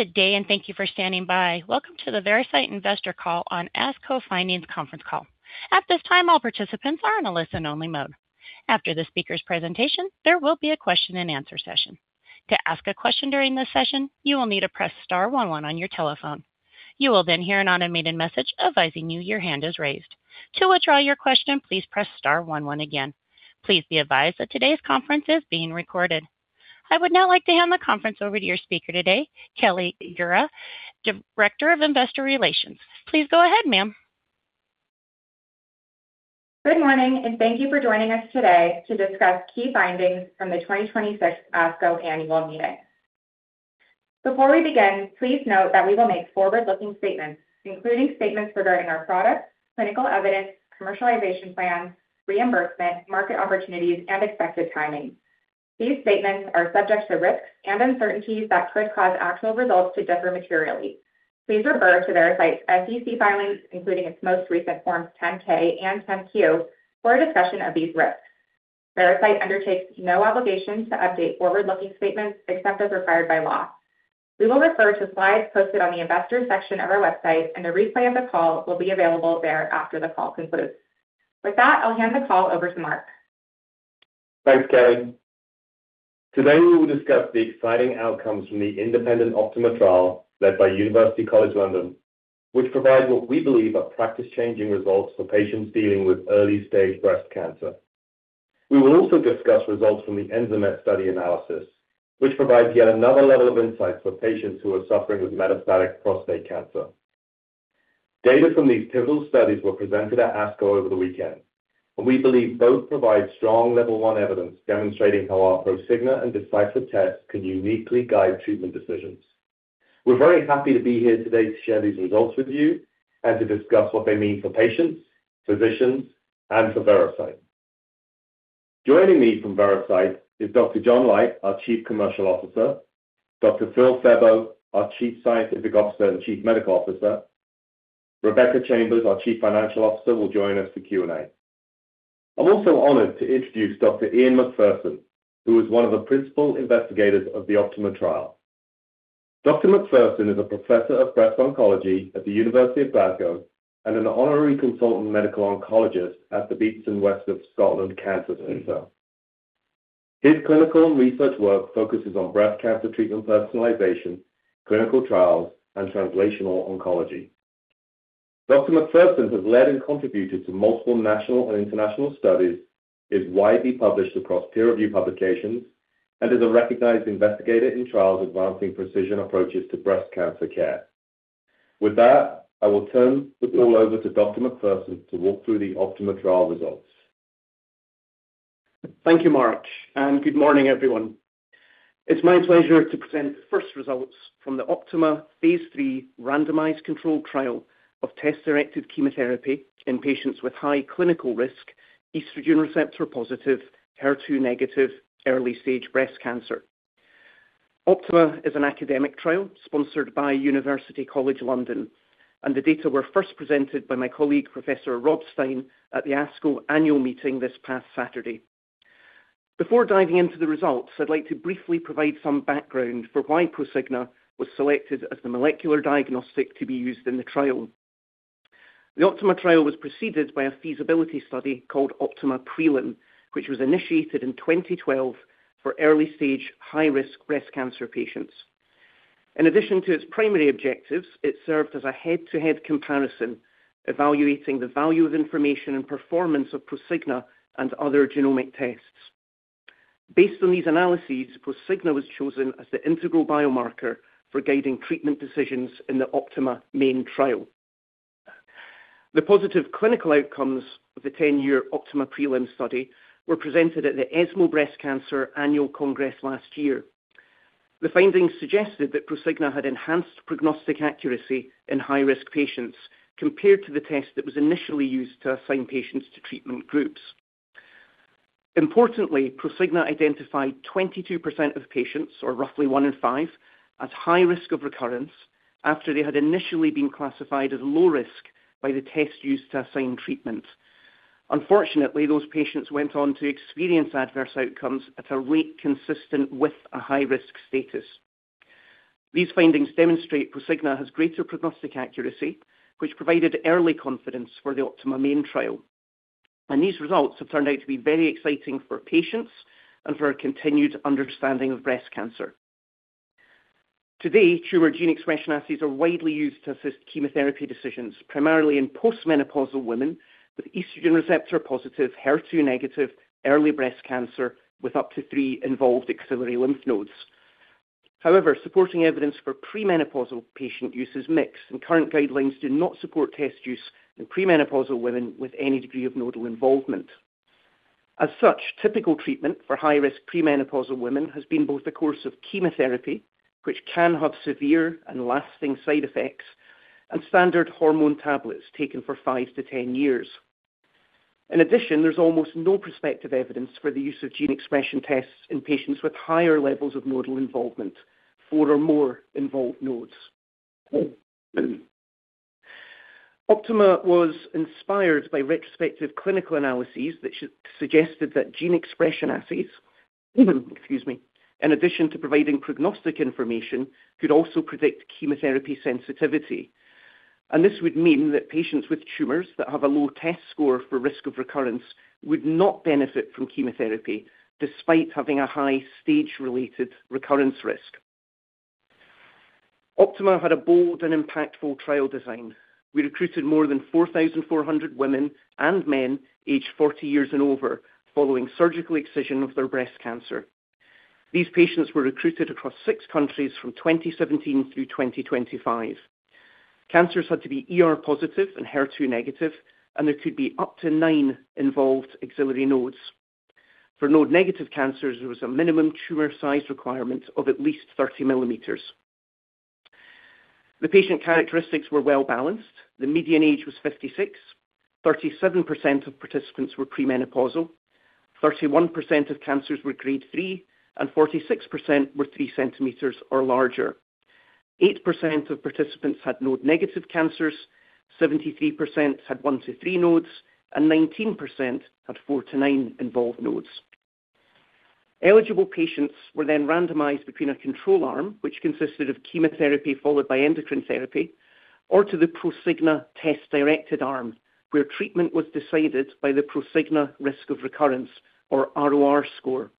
Good day and thank you for standing by. Welcome to the Veracyte investor call on ASCO findings conference call. At this time, all participants are in a listen-only mode. After the speaker's presentation, there will be a question-and-answer session. To ask a question during this session, you will need to press star one one on your telephone. You will then hear an automated message advising you your hand is raised. To withdraw your question, please press star one one again. Please be advised that today's conference is being recorded. I would now like to hand the conference over to your speaker today, Kelly Gura, Director of Investor Relations. Please go ahead, ma'am. Good morning and thank you for joining us today to discuss key findings from the 2026 ASCO Annual Meeting. Before we begin, please note that we will make forward-looking statements, including statements regarding our products, clinical evidence, commercialization plans, reimbursement, market opportunities, and expected timing. These statements are subject to risks and uncertainties that could cause actual results to differ materially. Please refer to Veracyte's SEC filings, including its most recent Forms 10-K and 10-Q for a discussion of these risks. Veracyte undertakes no obligation to update forward-looking statements except as required by law. We will refer to slides posted on the Investors section of our website, and a replay of the call will be available there after the call concludes. With that, I'll hand the call over to Marc. Thanks, Kelly. Today, we will discuss the exciting outcomes from the independent OPTIMA trial led by University College London, which provide what we believe are practice-changing results for patients dealing with early-stage breast cancer. We will also discuss results from the ENZAMET study analysis, which provides yet another level of insight for patients who are suffering with metastatic prostate cancer. Data from these pivotal studies were presented at ASCO over the weekend, and we believe both provide strong Level 1 evidence demonstrating how our Prosigna and Decipher tests can uniquely guide treatment decisions. We're very happy to be here today to share these results with you and to discuss what they mean for patients, physicians, and for Veracyte. Joining me from Veracyte is Dr. John Leite, our Chief Commercial Officer, Dr. Phil Febbo, our Chief Scientific Officer and Chief Medical Officer. Rebecca Chambers, our Chief Financial Officer, will join us for Q&A. I'm also honored to introduce Dr. Iain Macpherson, who is one of the principal investigators of the OPTIMA trial. Dr. Macpherson is a Professor of Breast Oncology at the University of Glasgow and an Honorary Consultant Medical Oncologist at The Beatson West of Scotland Cancer Centre. His clinical and research work focuses on breast cancer treatment personalization, clinical trials, and translational oncology. Dr. Macpherson has led and contributed to multiple national and international studies, is widely published across peer-review publications, and is a recognized investigator in trials advancing precision approaches to breast cancer care. With that, I will turn the call over to Dr. Macpherson to walk through the OPTIMA trial results. Thank you, Marc and good morning, everyone. It's my pleasure to present the first results from the OPTIMA phase III randomized control trial of test-directed chemotherapy in patients with high clinical risk, estrogen receptor-positive, HER2-negative, early-stage breast cancer. OPTIMA is an academic trial sponsored by University College London, and the data were first presented by my colleague, Professor Rob Stein, at the ASCO Annual Meeting this past Saturday. Before diving into the results, I'd like to briefly provide some background for why Prosigna was selected as the molecular diagnostic to be used in the trial. The OPTIMA trial was preceded by a feasibility study called OPTIMA prelim, which was initiated in 2012 for early-stage high-risk breast cancer patients. In addition to its primary objectives, it served as a head-to-head comparison, evaluating the value of information and performance of Prosigna and other genomic tests. Based on these analyses, Prosigna was chosen as the integral biomarker for guiding treatment decisions in the OPTIMA main trial. The positive clinical outcomes of the 10-year OPTIMA prelim study were presented at the ESMO Breast Cancer Annual Congress last year. The findings suggested that Prosigna had enhanced prognostic accuracy in high-risk patients compared to the test that was initially used to assign patients to treatment groups. Importantly, Prosigna identified 22% of patients, or roughly one in five, as high risk of recurrence after they had initially been classified as low risk by the test used to assign treatment. Unfortunately, those patients went on to experience adverse outcomes at a rate consistent with a high-risk status. These findings demonstrate Prosigna has greater prognostic accuracy, which provided early confidence for the OPTIMA main trial. These results have turned out to be very exciting for patients and for our continued understanding of breast cancer. Today, tumor gene expression assays are widely used to assist chemotherapy decisions, primarily in post-menopausal women with estrogen receptor-positive, HER2-negative early breast cancer with up to three involved axillary lymph nodes. However, supporting evidence for premenopausal patient use is mixed, and current guidelines do not support test use in premenopausal women with any degree of nodal involvement. As such, typical treatment for high-risk premenopausal women has been both a course of chemotherapy, which can have severe and lasting side effects, and standard hormone tablets taken for 5-10 years. In addition, there's almost no prospective evidence for the use of gene expression tests in patients with higher levels of nodal involvement, four or more involved nodes. OPTIMA was inspired by retrospective clinical analyses that suggested that gene expression assays, excuse me, in addition to providing prognostic information, could also predict chemotherapy sensitivity. This would mean that patients with tumors that have a low-test score for risk of recurrence would not benefit from chemotherapy despite having a high stage-related recurrence risk. OPTIMA had a bold and impactful trial design. We recruited more than 4,400 women and men aged 40 years and over following surgical excision of their breast cancer. These patients were recruited across six countries from 2017 through 2025. Cancers had to be ER-positive and HER2-negative, and there could be up to nine involved axillary nodes. For node-negative cancers, there was a minimum tumor size requirement of at least 30 mm. The patient characteristics were well-balanced. The median age was 56. 37% of participants were premenopausal, 31% of cancers were Grade 3, and 46% were 3 cm or larger. 8% of participants had node-negative cancers, 73% had one to three nodes, and 19% had four to nine involved nodes. Eligible patients were then randomized between a control arm, which consisted of chemotherapy followed by endocrine therapy, or to the Prosigna test-directed arm, where treatment was decided by the Prosigna risk of recurrence or ROR score.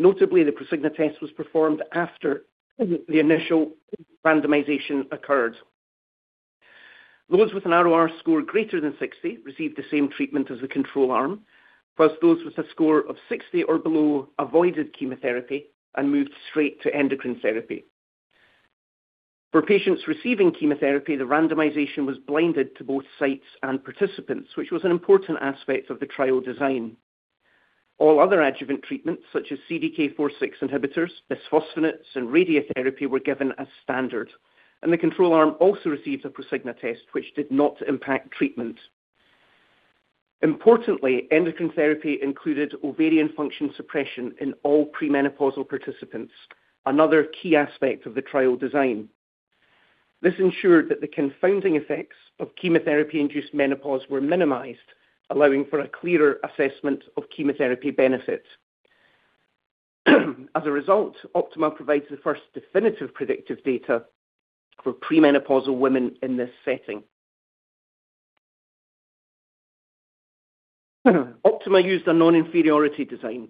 Notably, the Prosigna test was performed after the initial randomization occurred. Those with an ROR score greater than 60 received the same treatment as the control arm, whilst those with a score of 60 or below avoided chemotherapy and moved straight to endocrine therapy. For patients receiving chemotherapy, the randomization was blinded to both sites and participants, which was an important aspect of the trial design. All other adjuvant treatments such as CDK4/6 inhibitors, bisphosphonates, and radiotherapy were given as standard, and the control arm also received a Prosigna test which did not impact treatment. Importantly, endocrine therapy included ovarian function suppression in all premenopausal participants, another key aspect of the trial design. This ensured that the confounding effects of chemotherapy-induced menopause were minimized, allowing for a clearer assessment of chemotherapy benefits. As a result, OPTIMA provides the first definitive predictive data for premenopausal women in this setting. OPTIMA used a non-inferiority design.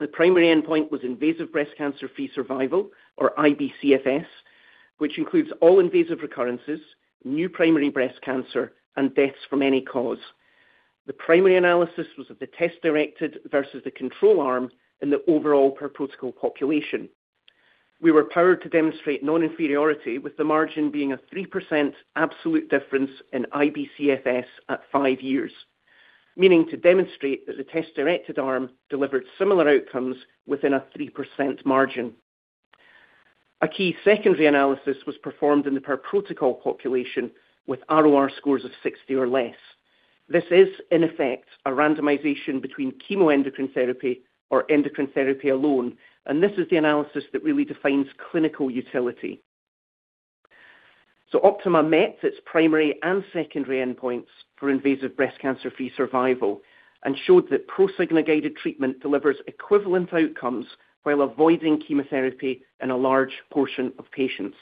The primary endpoint was invasive breast cancer-free survival, or IBCFS, which includes all invasive recurrences, new primary breast cancer, and deaths from any cause. The primary analysis was of the test-directed versus the control arm in the overall per-protocol population. We were powered to demonstrate non-inferiority, with the margin being a 3% absolute difference in IBCFS at five years, meaning to demonstrate that the test-directed arm delivered similar outcomes within a 3% margin. A key secondary analysis was performed in the per-protocol population with ROR scores of 60 or less. This is in effect, a randomization between chemoendocrine therapy or endocrine therapy alone, and this is the analysis that really defines clinical utility. OPTIMA met its primary and secondary endpoints for invasive breast cancer-free survival and showed that Prosigna-guided treatment delivers equivalent outcomes while avoiding chemotherapy in a large portion of patients.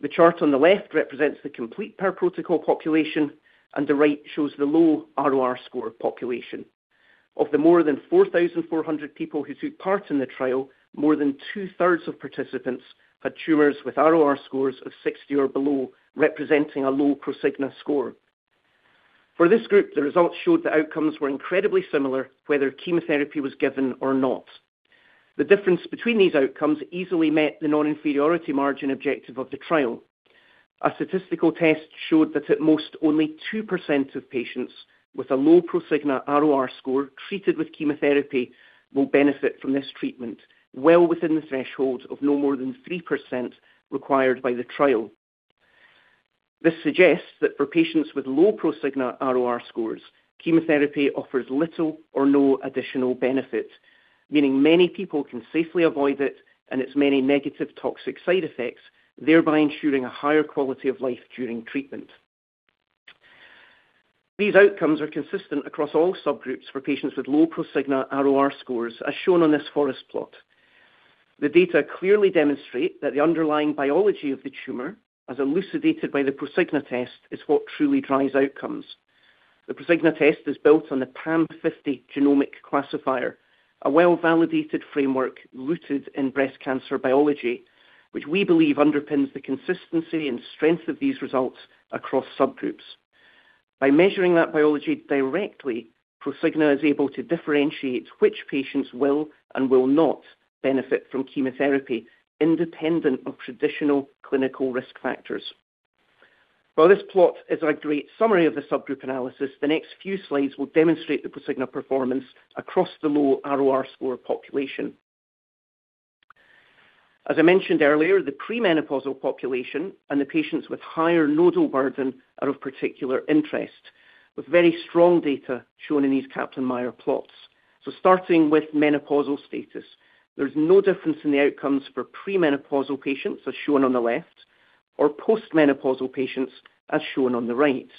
The chart on the left represents the complete per-protocol population, and the right shows the low ROR score population. Of the more than 4,400 people who took part in the trial, more than 2/3 of participants had tumors with ROR scores of 60 or below, representing a low Prosigna score. For this group, the results showed the outcomes were incredibly similar whether chemotherapy was given or not. The difference between these outcomes easily met the non-inferiority margin objective of the trial. A statistical test showed that at most, only 2% of patients with a low Prosigna ROR score treated with chemotherapy will benefit from this treatment, well within the threshold of no more than 3% required by the trial. This suggests that for patients with low Prosigna ROR scores, chemotherapy offers little or no additional benefit, meaning many people can safely avoid it and its many negative toxic side effects, thereby ensuring a higher quality of life during treatment. These outcomes are consistent across all subgroups for patients with low Prosigna ROR scores, as shown on this forest plot. The data clearly demonstrate that the underlying biology of the tumor, as elucidated by the Prosigna test, is what truly drives outcomes. The Prosigna test is built on the PAM50 genomic classifier, a well-validated framework rooted in breast cancer biology, which we believe underpins the consistency and strength of these results across subgroups. By measuring that biology directly, Prosigna is able to differentiate which patients will and will not benefit from chemotherapy independent of traditional clinical risk factors. While this plot is a great summary of the subgroup analysis, the next few slides will demonstrate the Prosigna performance across the low ROR score population. As I mentioned earlier, the premenopausal population and the patients with higher nodal burden are of particular interest, with very strong data shown in these Kaplan-Meier plots. Starting with menopausal status, there's no difference in the outcomes for premenopausal patients as shown on the left, or post-menopausal patients, as shown on the right.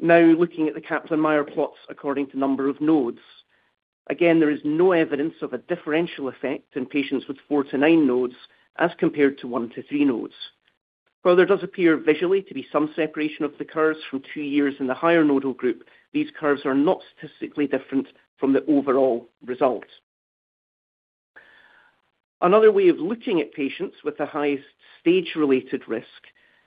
Looking at the Kaplan-Meier plots according to number of nodes, again, there is no evidence of a differential effect in patients with four to nine nodes as compared to one to three nodes. While there does appear visually to be some separation of the curves from two years in the higher nodal group, these curves are not statistically different from the overall result. Another way of looking at patients with the highest stage-related risk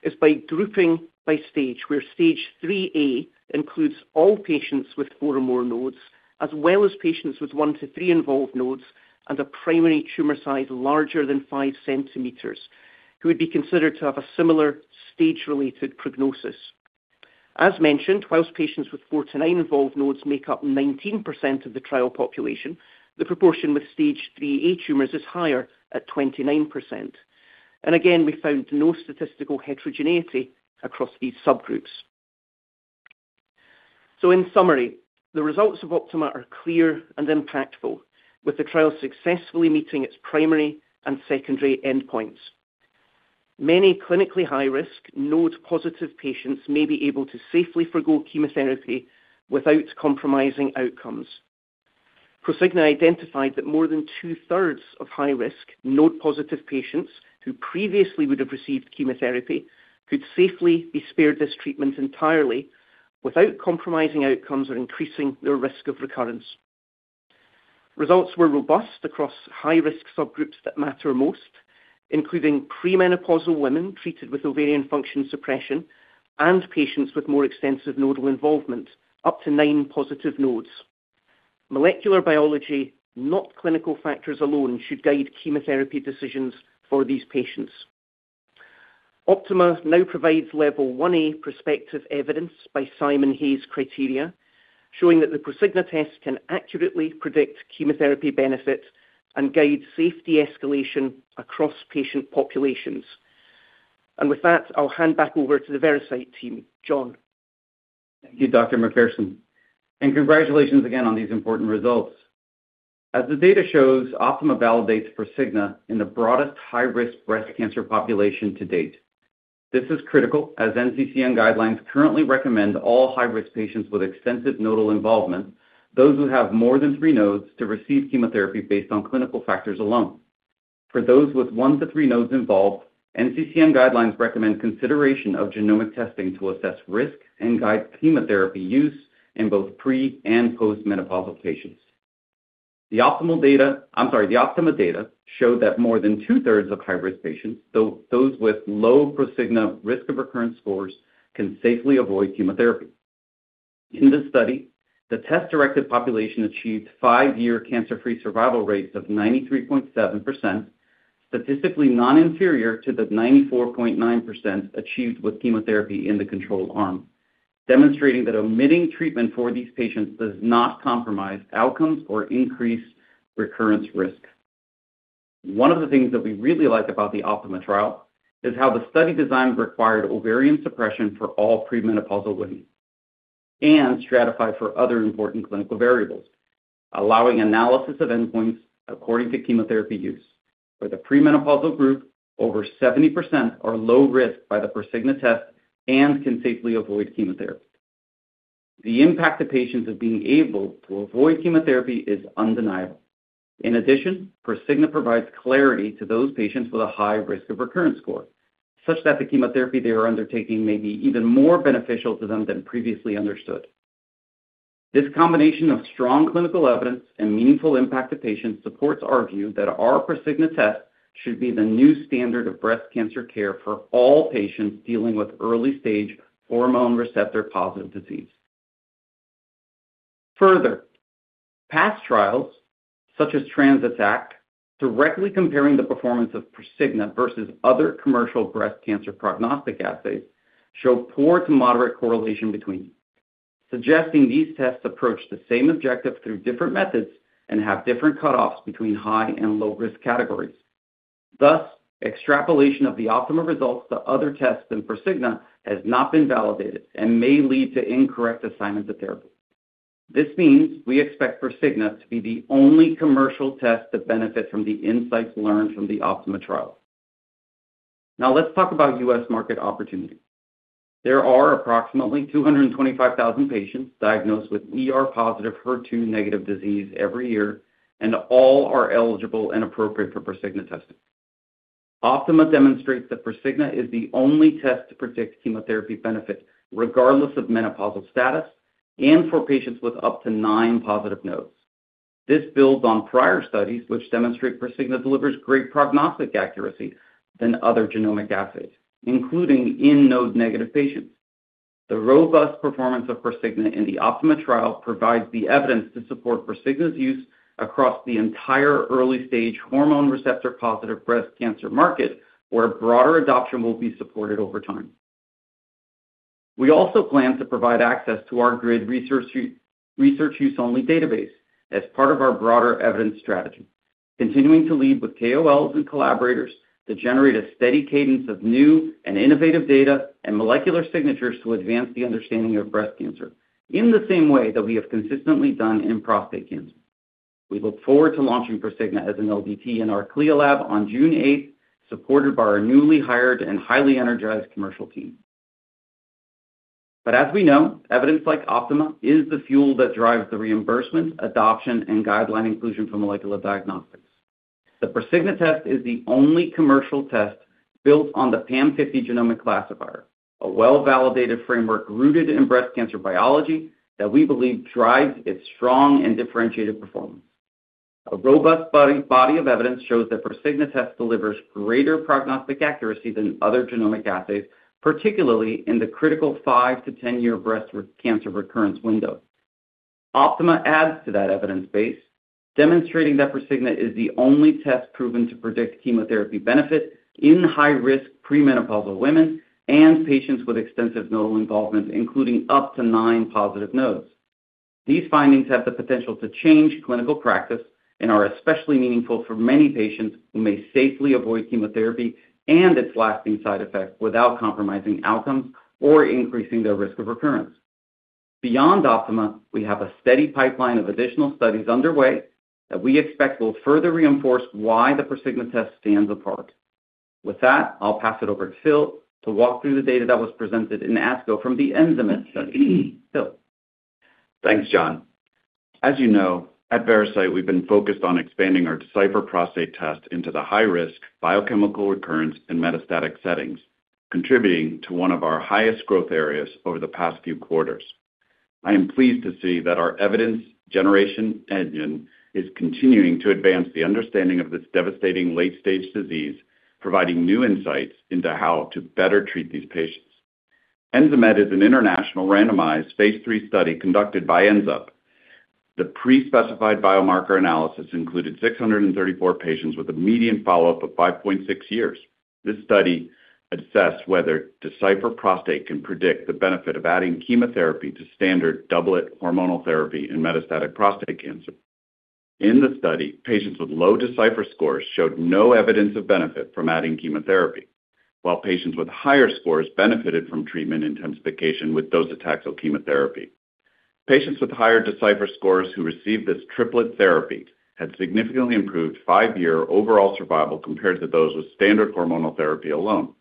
is by grouping by stage, where Stage 3A includes all patients with four or more nodes, as well as patients with one to three involved nodes and a primary tumor size larger than 5 cm, who would be considered to have a similar stage-related prognosis. As mentioned, whilst patients with four to nine involved nodes make up 19% of the trial population, the proportion with Stage 3A tumors is higher at 29%. Again, we found no statistical heterogeneity across these subgroups. In summary, the results of OPTIMA are clear and impactful, with the trial successfully meeting its primary and secondary endpoints. Many clinically high-risk node-positive patients may be able to safely forgo chemotherapy without compromising outcomes. Prosigna identified that more than 2/3 of high-risk node-positive patients who previously would have received chemotherapy could safely be spared this treatment entirely without compromising outcomes or increasing their risk of recurrence. Results were robust across high-risk subgroups that matter most, including premenopausal women treated with ovarian function suppression and patients with more extensive nodal involvement, up to nine positive nodes. Molecular biology, not clinical factors alone, should guide chemotherapy decisions for these patients. OPTIMA now provides Level 1A prospective evidence by Simon Hayes criteria, showing that the Prosigna test can accurately predict chemotherapy benefit and guide safe de-escalation across patient populations. With that, I'll hand back over to the Veracyte team. John. Thank you, Dr. Macpherson and congratulations again on these important results. As the data shows, OPTIMA validates Prosigna in the broadest high-risk breast cancer population to date. This is critical, as NCCN guidelines currently recommend all high-risk patients with extensive nodal involvement, those who have more than three nodes to receive chemotherapy based on clinical factors alone. For those with one to three nodes involved, NCCN guidelines recommend consideration of genomic testing to assess risk and guide chemotherapy use in both pre- and post-menopausal patients. The OPTIMA data show that more than 2/3 of high-risk patients, those with low Prosigna risk of recurrence scores, can safely avoid chemotherapy. In this study, the test-directed population achieved five-year cancer-free survival rates of 93.7%, statistically non-inferior to the 94.9% achieved with chemotherapy in the control arm, demonstrating that omitting treatment for these patients does not compromise outcomes or increase recurrence risk. One of the things that we really like about the OPTIMA trial is how the study design required ovarian suppression for all premenopausal women and stratified for other important clinical variables, allowing analysis of endpoints according to chemotherapy use. For the premenopausal group, over 70% are low risk by the Prosigna test and can safely avoid chemotherapy. The impact to patients of being able to avoid chemotherapy is undeniable. In addition, Prosigna provides clarity to those patients with a high risk of recurrence score, such that the chemotherapy they are undertaking may be even more beneficial to them than previously understood. This combination of strong clinical evidence and meaningful impact to patients supports our view that our Prosigna test should be the new standard of breast cancer care for all patients dealing with early-stage hormone-receptor-positive disease. Further, past trials such as TransATAC, directly comparing the performance of Prosigna versus other commercial breast cancer prognostic assays, show poor to moderate correlation between, suggesting these tests approach the same objective through different methods and have different cutoffs between high and low-risk categories. Thus, extrapolation of the OPTIMA results to other tests than Prosigna has not been validated and may lead to incorrect assignment of therapy. This means we expect Prosigna to be the only commercial test to benefit from the insights learned from the OPTIMA trial. Now, let's talk about U.S. market opportunity. There are approximately 225,000 patients diagnosed with ER-positive HER2-negative disease every year, and all are eligible and appropriate for Prosigna testing. OPTIMA demonstrates that Prosigna is the only test to predict chemotherapy benefit regardless of menopausal status and for patients with up to nine positive nodes. This builds on prior studies which demonstrate Prosigna delivers greater prognostic accuracy than other genomic assays, including in node-negative patients. The robust performance of Prosigna in the OPTIMA trial provides the evidence to support Prosigna's use across the entire early-stage hormone receptor-positive breast cancer market, where broader adoption will be supported over time. We also plan to provide access to our GRID researchers-only database as part of our broader evidence strategy, continuing to lead with KOLs and collaborators to generate a steady cadence of new and innovative data and molecular signatures to advance the understanding of breast cancer in the same way that we have consistently done in prostate cancer. We look forward to launching Prosigna as an LDT in our CLIA lab on June 8th, supported by our newly hired and highly energized commercial team. As we know, evidence like OPTIMA is the fuel that drives the reimbursement, adoption, and guideline inclusion for molecular diagnostics. The Prosigna test is the only commercial test built on the PAM50 genomic classifier, a well-validated framework rooted in breast cancer biology that we believe drives its strong and differentiated performance. A robust body of evidence shows that Prosigna test delivers greater prognostic accuracy than other genomic assays, particularly in the critical 5-10-year breast cancer recurrence window. OPTIMA adds to that evidence base, demonstrating that Prosigna is the only test proven to predict chemotherapy benefit in high-risk premenopausal women and patients with extensive nodal involvement, including up to nine positive nodes. These findings have the potential to change clinical practice and are especially meaningful for many patients who may safely avoid chemotherapy and its lasting side effects without compromising outcomes or increasing their risk of recurrence. Beyond OPTIMA, we have a steady pipeline of additional studies underway that we expect will further reinforce why the Prosigna test stands apart. With that, I'll pass it over to Phil to walk through the data that was presented in ASCO from the ENZAMET study. Phil. Thanks, John. As you know, at Veracyte, we've been focused on expanding our Decipher Prostate test into the high-risk biochemical recurrence and metastatic settings, contributing to one of our highest growth areas over the past few quarters. I am pleased to see that our evidence generation engine is continuing to advance the understanding of this devastating late-stage disease, providing new insights into how to better treat these patients. ENZAMET is an international randomized phase III study conducted by ANZUP. The pre-specified biomarker analysis included 634 patients with a median follow-up of 5.6 years. This study assessed whether Decipher Prostate can predict the benefit of adding chemotherapy to standard doublet hormonal therapy in metastatic prostate cancer. In the study, patients with low Decipher scores showed no evidence of benefit from adding chemotherapy, while patients with higher scores benefited from treatment intensification with docetaxel chemotherapy. Patients with higher Decipher scores who received this triplet therapy had significantly improved five-year overall survival compared to those with standard hormonal therapy alone.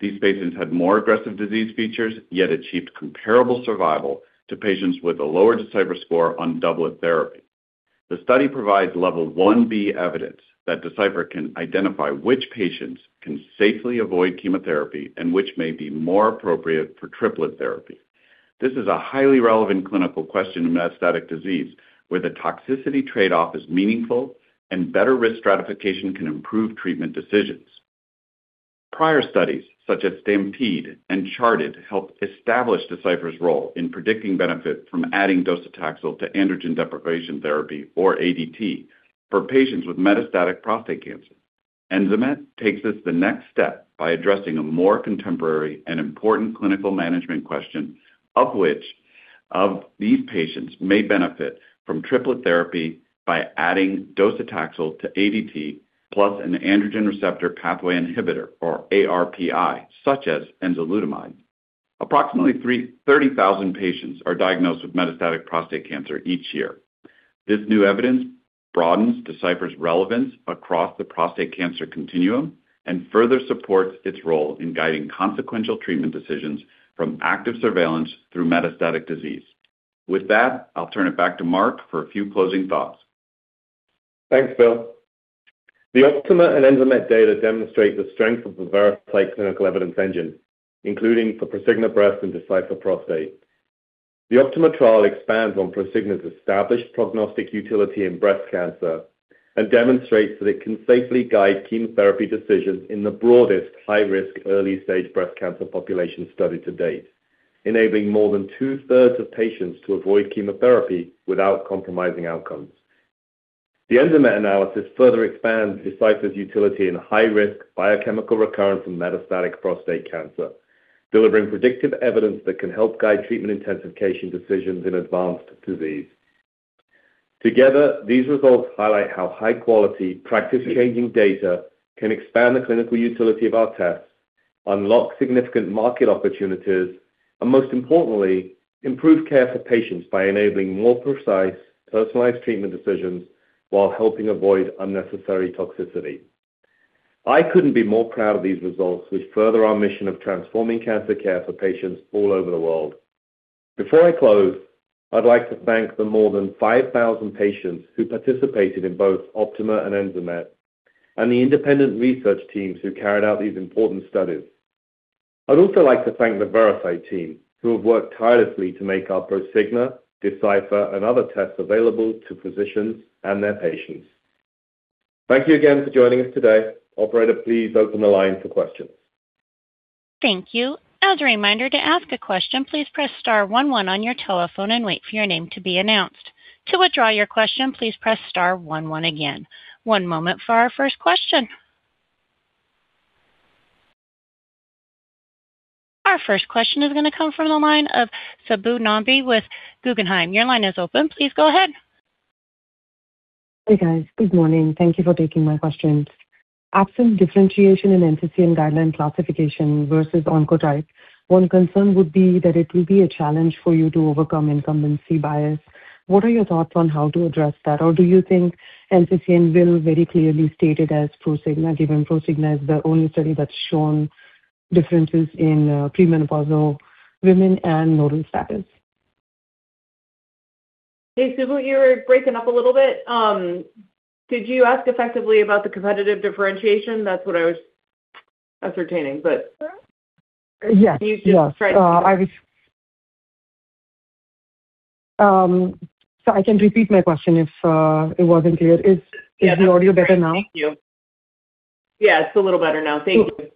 These patients had more aggressive disease features, yet achieved comparable survival to patients with a lower Decipher score on doublet therapy. The study provides Level 1B evidence that Decipher can identify which patients can safely avoid chemotherapy and which may be more appropriate for triplet therapy. This is a highly relevant clinical question in metastatic disease, where the toxicity trade-off is meaningful and better risk stratification can improve treatment decisions. Prior studies such as STAMPEDE and CHAARTED helped establish Decipher's role in predicting benefit from adding docetaxel to androgen deprivation therapy, or ADT, for patients with metastatic prostate cancer. ENZAMET takes us the next step by addressing a more contemporary and important clinical management question, of which of these patients may benefit from triplet therapy by adding docetaxel to ADT plus an androgen receptor pathway inhibitor, or ARPI, such as enzalutamide. Approximately 30,000 patients are diagnosed with metastatic prostate cancer each year. This new evidence broadens Decipher's relevance across the prostate cancer continuum and further supports its role in guiding consequential treatment decisions from active surveillance through metastatic disease. With that, I'll turn it back to Marc for a few closing thoughts. Thanks, Phil. The OPTIMA and ENZAMET data demonstrate the strength of the Veracyte clinical evidence engine, including for Prosigna Breast and Decipher Prostate. The OPTIMA trial expands on Prosigna's established prognostic utility in breast cancer and demonstrates that it can safely guide chemotherapy decisions in the broadest high-risk early-stage breast cancer population study to date, enabling more than 2/3 of patients to avoid chemotherapy without compromising outcomes. The ENZAMET analysis further expands Decipher's utility in high-risk biochemical recurrence and metastatic prostate cancer, delivering predictive evidence that can help guide treatment intensification decisions in advanced disease. Together, these results highlight how high-quality, practice-changing data can expand the clinical utility of our tests, unlock significant market opportunities, and most importantly, improve care for patients by enabling more precise, personalized treatment decisions while helping avoid unnecessary toxicity. I couldn't be more proud of these results, which further our mission of transforming cancer care for patients all over the world. Before I close, I'd like to thank the more than 5,000 patients who participated in both OPTIMA and ENZAMET, and the independent research teams who carried out these important studies. I'd also like to thank the Veracyte team, who have worked tirelessly to make our Prosigna, Decipher, and other tests available to physicians and their patients. Thank you again for joining us today. Operator, please open the line for questions. Thank you. As a reminder, to ask a question, please press star one one on your telephone and wait for your name to be announced. To withdraw your question, please press star one one again. One moment for our first question. Our first question is going to come from the line of Subbu Nambi with Guggenheim. Your line is open. Please go ahead. Hey, guys. Good morning. Thank you for taking my questions. Absent differentiation in NCCN guideline classification versus Oncotype, one concern would be that it will be a challenge for you to overcome incumbency bias. What are your thoughts on how to address that? Or do you think NCCN will very clearly state it as Prosigna, given Prosigna is the only study that's shown differences in premenopausal women and nodal status? Hey, Subbu, you're breaking up a little bit. Did you ask effectively about the competitive differentiation? That's what I was ascertaining. Yes. Can you just try to repeat? I can repeat my question if it wasn't clear. Is the audio better now? Yeah. Yeah, it's a little better now. Thank you.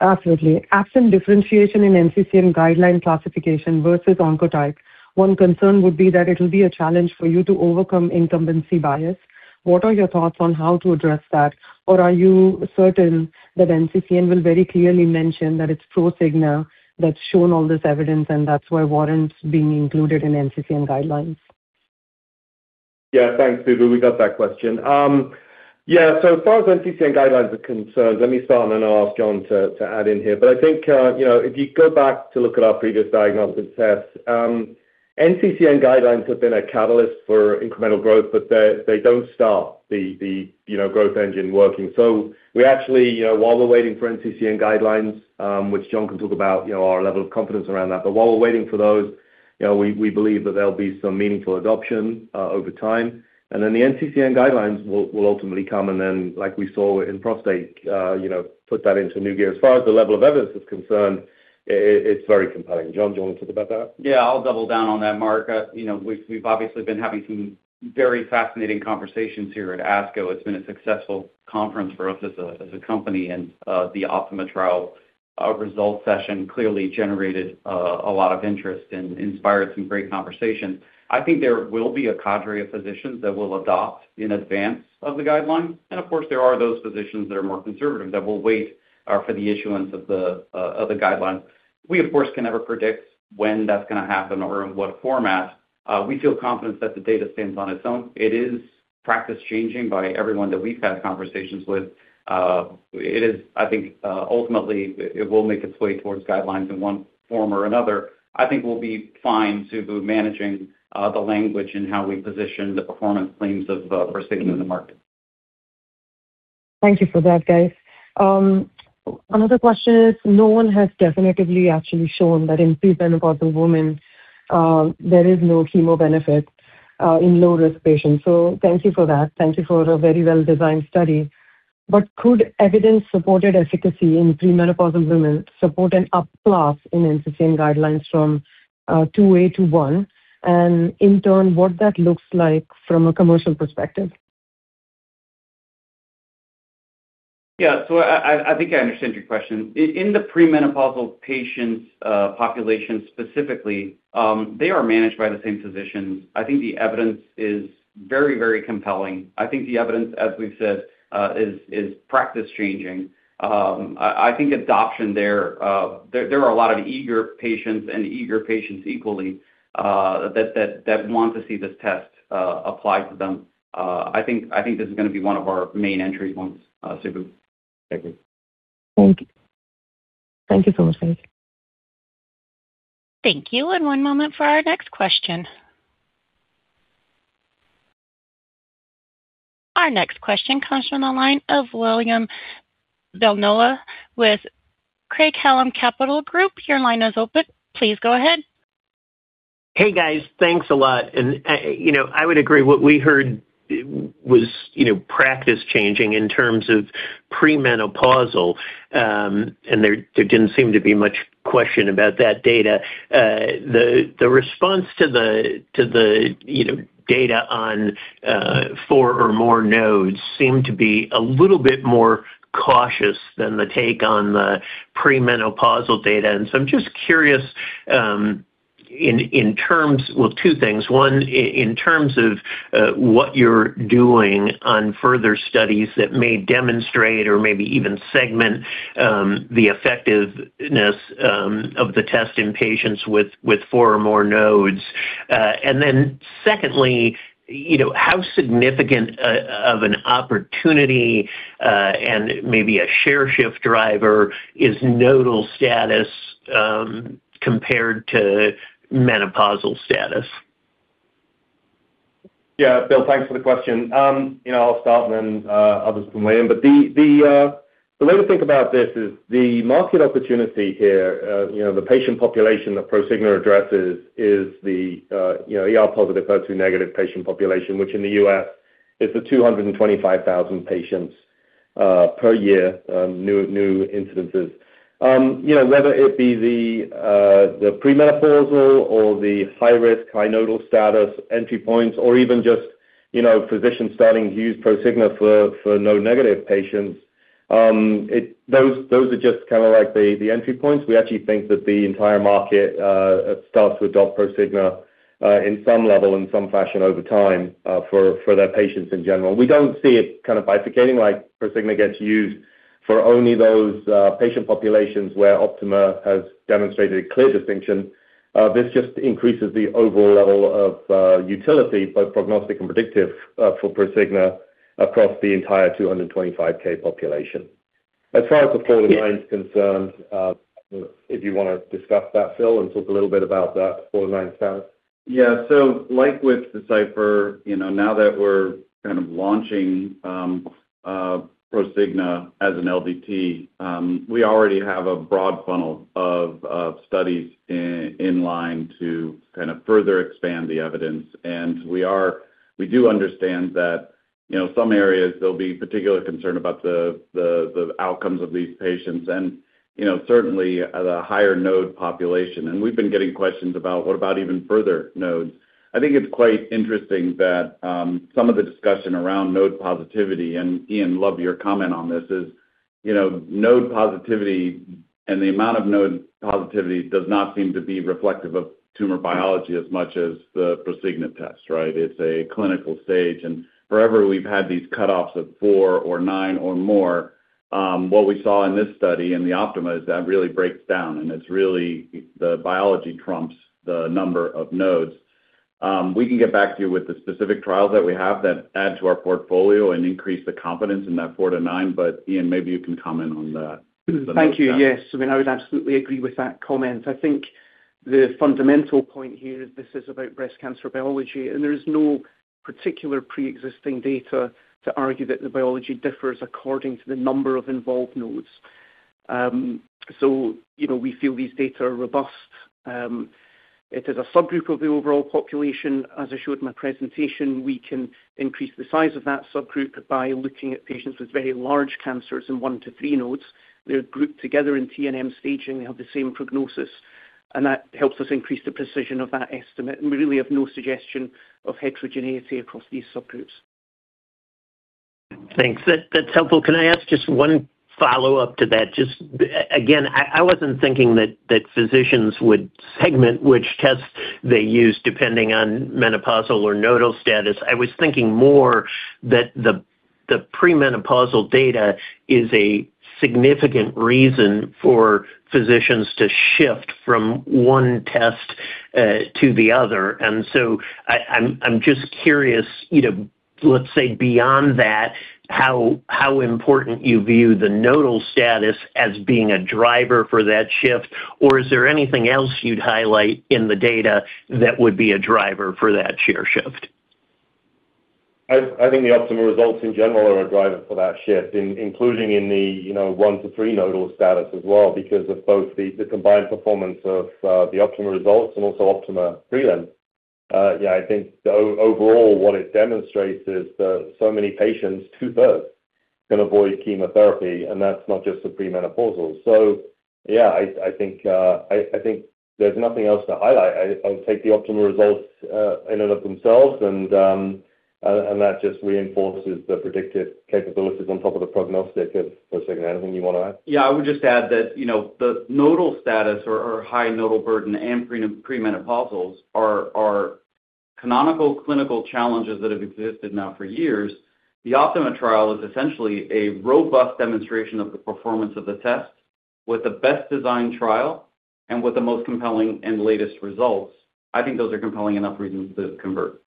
Absolutely. Absent differentiation in NCCN guideline classification versus Oncotype, one concern would be that it'll be a challenge for you to overcome incumbency bias. What are your thoughts on how to address that? Or are you certain that NCCN will very clearly mention that it's Prosigna that's shown all this evidence, and that's why it warrants being included in NCCN guidelines? Yeah. Thanks, Subbu. We got that question. As far as NCCN guidelines are concerned, let me start and then I'll ask John to add in here, but I think, if you go back to look at our previous diagnostic tests, NCCN guidelines have been a catalyst for incremental growth, but they don't start the growth engine working. We actually, while we're waiting for NCCN guidelines, which John can talk about our level of confidence around that, while we're waiting for those, we believe that there'll be some meaningful adoption over time, and the NCCN guidelines will ultimately come, and like we saw in prostate, put that into new gear. As far as the level of evidence is concerned, it's very compelling. John, do you want to talk about that? Yeah. I'll double down on that, Marc. We've obviously been having some very fascinating conversations here at ASCO. It's been a successful conference for us as a company and the OPTIMA trial results session clearly generated a lot of interest and inspired some great conversations. I think there will be a cadre of physicians that will adopt in advance of the guidelines, and of course, there are those physicians that are more conservative that will wait for the issuance of the guidelines. We, of course, can never predict when that's going to happen or in what format. We feel confident that the data stands on its own. It is practice-changing by everyone that we've had conversations with. I think, ultimately, it will make its way towards guidelines in one form or another. I think we'll be fine, Subbu, managing the language and how we position the performance claims of Prosigna in the market. Thank you for that, guys. Another question is, no one has definitively actually shown that in premenopausal women, there is no chemo benefit in low-risk patients, so thank you for that. Thank you for a very well-designed study. But could evidence-supported efficacy in premenopausal women support an up class in NCCN guidelines from 2A to 1, and in turn, what that looks like from a commercial perspective? Yeah. I think I understand your question. In the premenopausal patients population specifically, they are managed by the same physicians. I think the evidence is very, very compelling. I think the evidence, as we've said, is practice-changing. I think adoption there, there are a lot of eager patients and eager patients equally, that want to see this test applied to them. I think this is going to be one of our main entry points, Subbu. I agree. Thank you. Thank you so much, guys. Thank you. One moment for our next question. Our next question comes from the line of William Bonello with Craig-Hallum Capital Group. Your line is open. Please go ahead. Hey, guys. Thanks a lot. I would agree, what we heard was practice-changing in terms of premenopausal, and there didn't seem to be much question about that data. The response to the data on four or more nodes seemed to be a little bit more cautious than the take on the premenopausal data. So, I'm just curious in terms, well, two things. One, in terms of what you're doing on further studies that may demonstrate or maybe even segment the effectiveness of the test in patients with four or more nodes. Secondly, how significant of an opportunity and maybe a share shift driver is nodal status compared to menopausal status? Yeah. Bill, thanks for the question. I'll start and then others can weigh in. The way to think about this is the market opportunity here, the patient population that Prosigna addresses is the ER-positive, HER2-negative patient population, which in the U.S. is the 225,000 patients per year, new incidences. Whether it be the premenopausal or the high-risk high nodal status entry points or even just physicians starting to use Prosigna for node-negative patients, those are just kind of like the entry points. We actually think that the entire market starts to adopt Prosigna in some level, in some fashion over time for their patients in general. We don't see it kind of bifurcating like Prosigna gets used for only those patient populations where OPTIMA has demonstrated a clear distinction. This just increases the overall level of utility, both prognostic and predictive for Prosigna across the entire 225,000 population. As far as the four to nine is concerned, if you want to discuss that, Phil, and talk a little bit about that four to nine status. Yeah. So, like with Decipher, now that we're kind of launching Prosigna as an LDT, we already have a broad funnel of studies in line to kind of further expand the evidence. We do understand that some areas, there'll be particular concern about the outcomes of these patients and certainly, at a higher node population, and we've been getting questions about even further nodes. I think it's quite interesting that some of the discussion around node positivity, and Iain, love your comment on this, is node positivity and the amount of node positivity does not seem to be reflective of tumor biology as much as the Prosigna test, right? It's a clinical stage. Wherever we've had these cutoffs of four or nine or more, what we saw in this study, in the OPTIMA, is that really breaks down, and it's really the biology trumps the number of nodes. We can get back to you with the specific trials that we have that add to our portfolio and increase the confidence in that four to nine, but Iain, maybe you can comment on that. Thank you. Yes. I would absolutely agree with that comment. I think the fundamental point here is this is about breast cancer biology, and there is no particular preexisting data to argue that the biology differs according to the number of involved nodes. We feel these data are robust. It is a subgroup of the overall population. As I showed in my presentation, we can increase the size of that subgroup by looking at patients with very large cancers in one to three nodes. They're grouped together in TNM staging. They have the same prognosis, and that helps us increase the precision of that estimate. We really have no suggestion of heterogeneity across these subgroups. Thanks. That's helpful. Can I ask just one follow-up to that? Just again, I wasn't thinking that physicians would segment which test they use depending on menopausal or nodal status. I was thinking more that the premenopausal data is a significant reason for physicians to shift from one test to the other. I'm just curious, let's say beyond that, how important you view the nodal status as being a driver for that shift, or is there anything else you'd highlight in the data that would be a driver for that share shift? I think the OPTIMA results in general are a driver for that shift, including in the one to three nodal status as well because of both the combined performance of the OPTIMA results and also OPTIMA prelim. I think overall what it demonstrates is that so many patients, 2/3, can avoid chemotherapy, and that's not just the premenopausal. So, yeah, I think there's nothing else to highlight. I would take the OPTIMA results in and of themselves, and that just reinforces the predictive capabilities on top of the prognostic of Prosigna. Anything you want to add? I would just add that the nodal status or high nodal burden and premenopausals are canonical clinical challenges that have existed now for years. The OPTIMA trial is essentially a robust demonstration of the performance of the test with the best design trial and with the most compelling and latest results. I think those are compelling enough reasons to convert.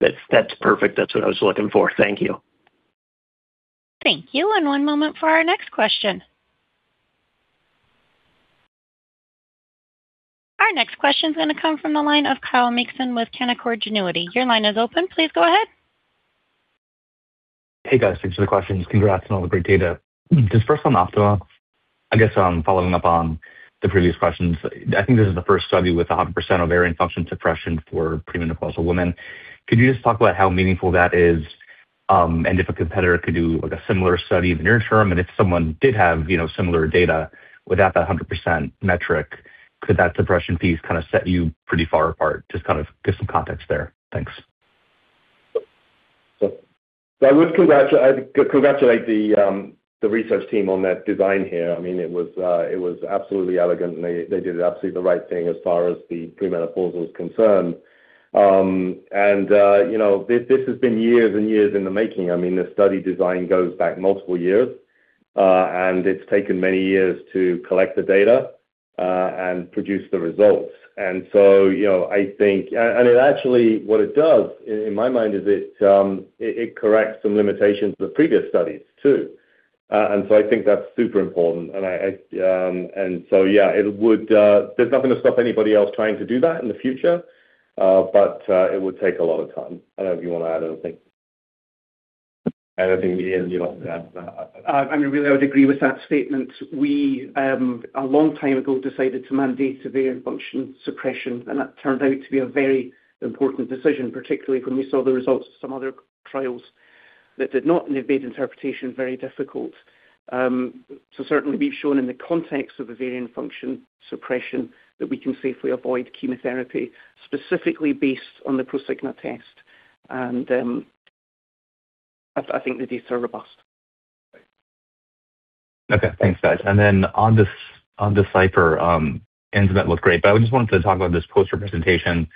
That's perfect. That's what I was looking for. Thank you. Thank you. One moment for our next question. Our next question is going to come from the line of Kyle Mikson with Canaccord Genuity. Your line is open. Please go ahead. Hey, guys. Thanks for the questions. Congrats on all the great data. Just first on OPTIMA, I guess following up on the previous questions, I think this is the first study with 100% ovarian function suppression for premenopausal women. Could you just talk about how meaningful that is? If a competitor could do a similar study in the near term, and if someone did have similar data without that 100% metric, could that suppression piece kind of set you pretty far apart? Just to get some context there. Thanks. I would congratulate the research team on that design here. I mean, it was absolutely elegant, and they did absolutely the right thing as far as the premenopausal is concerned. This has been years and years in the making. The study design goes back multiple years, and it's taken many years to collect the data and produce the results. So, I think, and it actually, what it does, in my mind, is it corrects some limitations of previous studies, too. I think that's super important. Yeah, it would, there's nothing to stop anybody else trying to do that in the future, but it would take a lot of time. I don't know if you want to add anything. Anything, Iain, you'd like to add to that? I would agree with that statement. We, a long time ago, decided to mandate ovarian function suppression, and that turned out to be a very important decision, particularly when we saw the results of some other trials that did not, and it made interpretation very difficult. Certainly, we've shown in the context of ovarian function suppression that we can safely avoid chemotherapy, specifically based on the Prosigna test. I think the data are robust. Okay. Thanks, guys. Then, on Decipher, ENZAMET looked great. I just wanted to talk about this poster presentation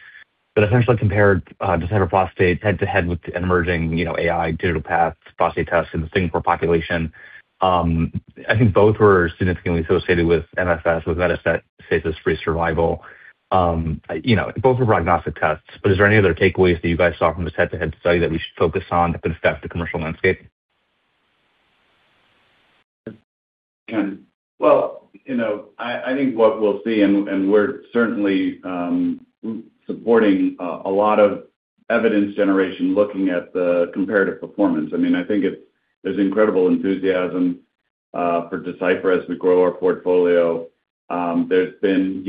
that essentially compared Decipher Prostate head-to-head with an emerging AI digital path prostate test in the Singapore population. I think both were significantly associated with MFS, with metastatic-free survival. Both were prognostic tests, but is there any other takeaways that you guys saw from this head-to-head study that we should focus on that could affect the commercial landscape? I think what we'll see, and we're certainly supporting a lot of evidence generation looking at the comparative performance. I mean, I think there's incredible enthusiasm for Decipher as we grow our portfolio. There's been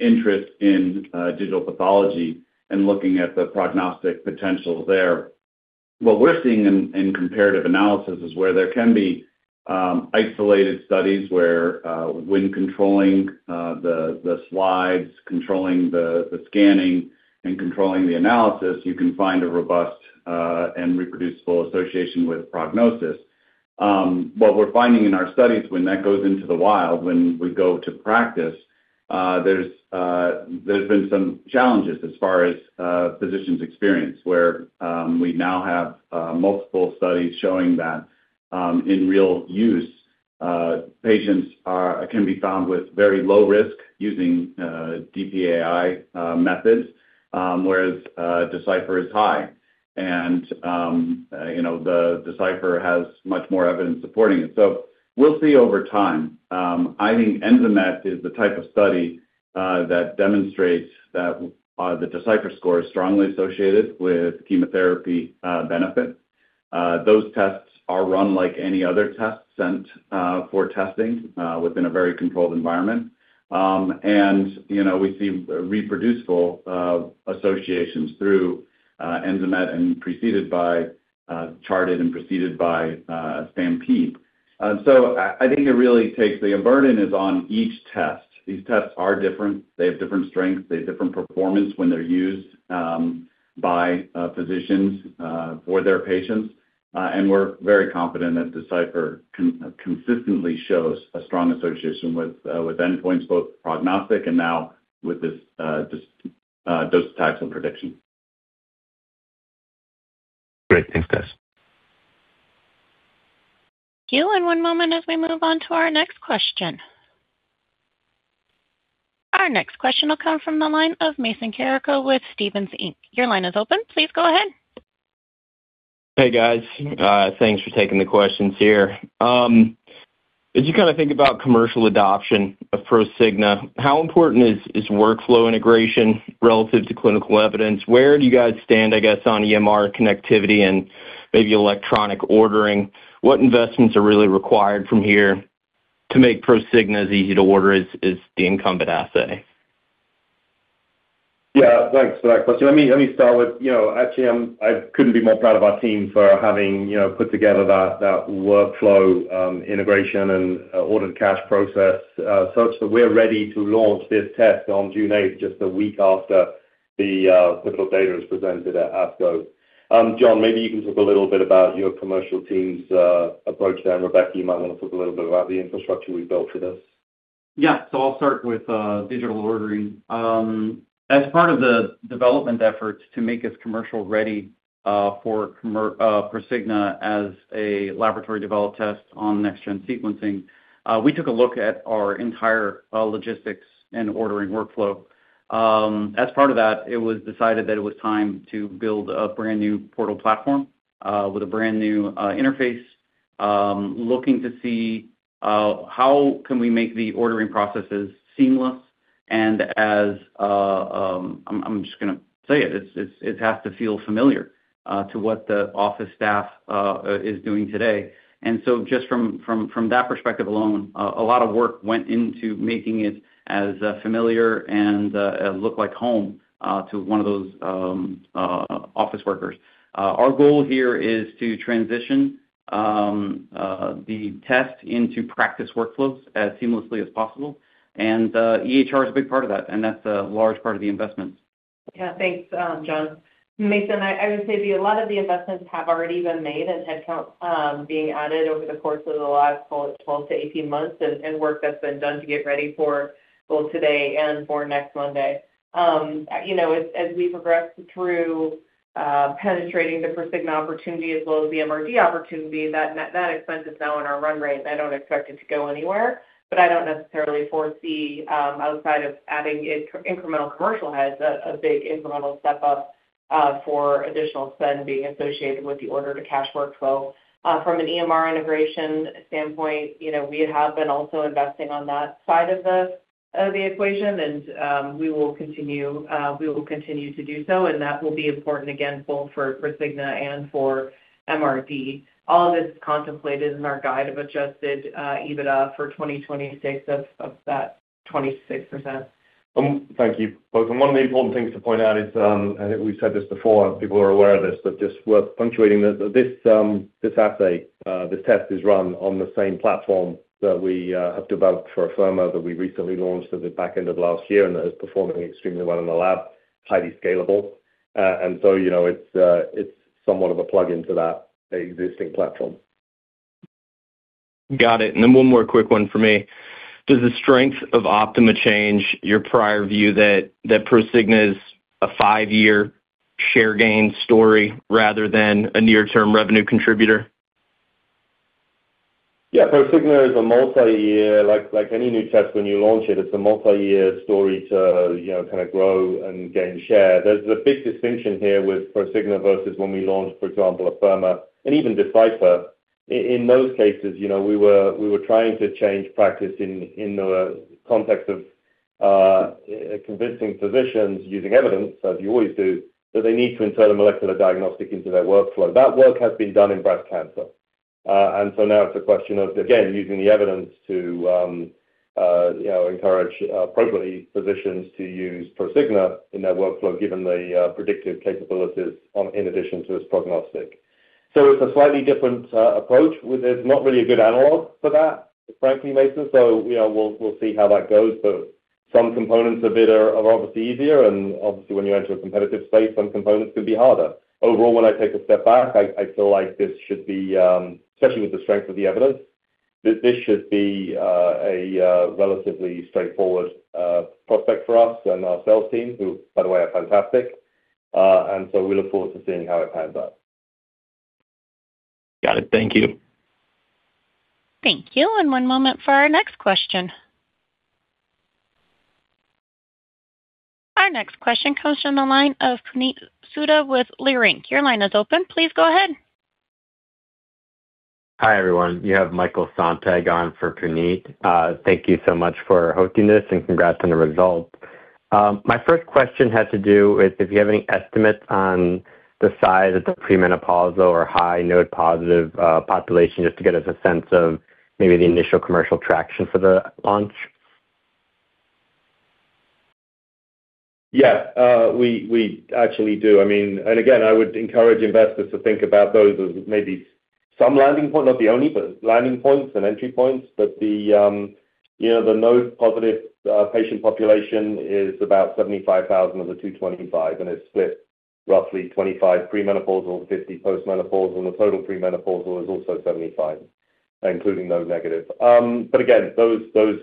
interest in digital pathology and looking at the prognostic potential there. What we're seeing in comparative analysis is where there can be isolated studies where when controlling the slides, controlling the scanning, and controlling the analysis, you can find a robust and reproducible association with prognosis. What we're finding in our studies, when that goes into the wild, when we go to practice, there's been some challenges as far as physicians' experience, where we now have multiple studies showing that in real use, patients can be found with very low risk using DPAI methods, whereas Decipher is high. Decipher has much more evidence supporting it. We'll see over time. I think ENZAMET is the type of study that demonstrates that the Decipher score is strongly associated with chemotherapy benefit. Those tests are run like any other test sent for testing within a very controlled environment, and we see reproducible associations through ENZAMET and preceded by CHAARTED and preceded by STAMPEDE. So, I think it really takes, the burden is on each test. These tests are different. They have different strengths. They have different performance when they're used by physicians for their patients. We're very confident that Decipher consistently shows a strong association with endpoints, both prognostic and now with those types of predictions. Great. Thanks, guys. Thank you. One moment as we move on to our next question. Our next question will come from the line of Mason Carrico with Stephens Inc. Your line is open. Please go ahead. Hey, guys. Thanks for taking the questions here. As you kind of think about commercial adoption of Prosigna, how important is workflow integration relative to clinical evidence? Where do you guys stand, I guess, on EMR connectivity and maybe electronic ordering? What investments are really required from here to make Prosigna as easy to order as the incumbent assay? Yeah, thanks for that question. Let me start with, actually, I couldn't be more proud of our team for having put together that workflow integration and order-to-cash process, such that we're ready to launch this test on June 8th, just a week after the clinical data is presented at ASCO. John, maybe you can talk a little bit about your commercial team's approach there, and Rebecca, you might want to talk a little bit about the infrastructure we've built for this. Yeah. I'll start with digital ordering. As part of the development efforts to make us commercial-ready for Prosigna as a laboratory developed test on next-gen sequencing, we took a look at our entire logistics and ordering workflow. As part of that, it was decided that it was time to build a brand new portal platform with a brand new interface, looking to see how can we make the ordering processes seamless, and as, I'm just going to say it has to feel familiar to what the office staff is doing today. Just from that perspective alone, a lot of work went into making it as familiar and look like home to one of those office workers. Our goal here is to transition the test into practice workflows as seamlessly as possible, and EHR is a big part of that, and that's a large part of the investment. Thanks, John. Mason, I would say a lot of the investments have already been made and headcount being added over the course of the last 12-18 months and work that's been done to get ready for both today and for next Monday. As we progress through penetrating the Prosigna opportunity as well as the MRD opportunity, that expense is now in our run rate, and I don't expect it to go anywhere. But I don't necessarily foresee, outside of adding incremental commercial heads, a big incremental step up for additional spend being associated with the order-to-cash workflow. From an EMR integration standpoint, we have been also investing on that side of the equation, and we will continue to do so, and that will be important, again, both for Prosigna and for MRD. All of this is contemplated in our guide of adjusted EBITDA for 2026 of that 26%. Thank you both. One of the important things to point out is, I think we've said this before, and people are aware of this, but just worth punctuating, this assay, this test is run on the same platform that we have developed for Afirma that we recently launched at the back end of last year and that is performing extremely well in the lab, highly scalable. It's somewhat of a plug-in to that existing platform. Got it. One more quick one from me. Does the strength of OPTIMA change your prior view that Prosigna is a five-year share gain story rather than a near-term revenue contributor? Prosigna is a multi-year, like any new test, when you launch, it's a multi-year story to kind of grow and gain share. There's a big distinction here with Prosigna versus when we launched, for example, Afirma and even Decipher. In those cases, we were trying to change practice in the context of convincing physicians using evidence, as you always do, that they need to enter a molecular diagnostic into their workflow. That work has been done in breast cancer. Now, it's a question of, again, using the evidence to encourage appropriately physicians to use Prosigna in their workflow, given the predictive capabilities in addition to its prognostic. It's a slightly different approach. There's not really a good analog for that, frankly, Mason, so we'll see how that goes. Some components of it are obviously easier, and obviously, when you enter a competitive space, some components can be harder. Overall, when I take a step back, I feel like this should be, especially with the strength of the evidence, this should be a relatively straightforward prospect for us and our sales team, who, by the way, are fantastic. We look forward to seeing how it pans out. Got it. Thank you. Thank you. One moment for our next question. Our next question comes from the line of Puneet Souda with Leerink. Your line is open. Please go ahead. Hi, everyone. You have Michael Sonntag on for Puneet. Thank you so much for hosting this and congrats on the results. My first question has to do with if you have any estimates on the size of the premenopausal or high node positive population, just to get us a sense of maybe the initial commercial traction for the launch. Yeah. We actually do. Again, I would encourage investors to think about those as maybe some landing point, not the only, but landing points and entry points. But the node-positive patient population is about 75,000 of the 225,000, and it's split roughly 25 premenopausal, 50 postmenopausal, and the total premenopausal is also 75,000, including node-negative. But again, those,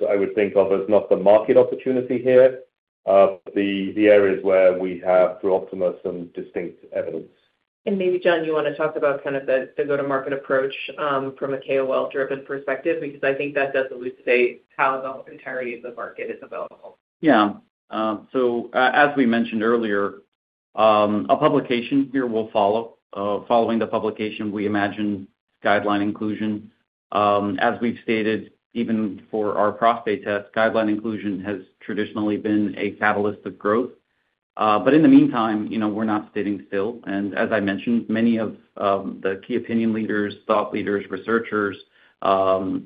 I would think of as not the market opportunity here, the areas where we have, through OPTIMA, some distinct evidence. Maybe, John, you want to talk about kind of the go-to-market approach from a KOL-driven perspective, because I think that does elucidate how the entirety of the market is available. Yeah. As we mentioned earlier, a publication here will follow. Following the publication, we imagine guideline inclusion. As we've stated, even for our prostate test, guideline inclusion has traditionally been a catalyst of growth. In the meantime, we're not sitting still. As I mentioned, many of the key opinion leaders, thought leaders, researchers, clinicians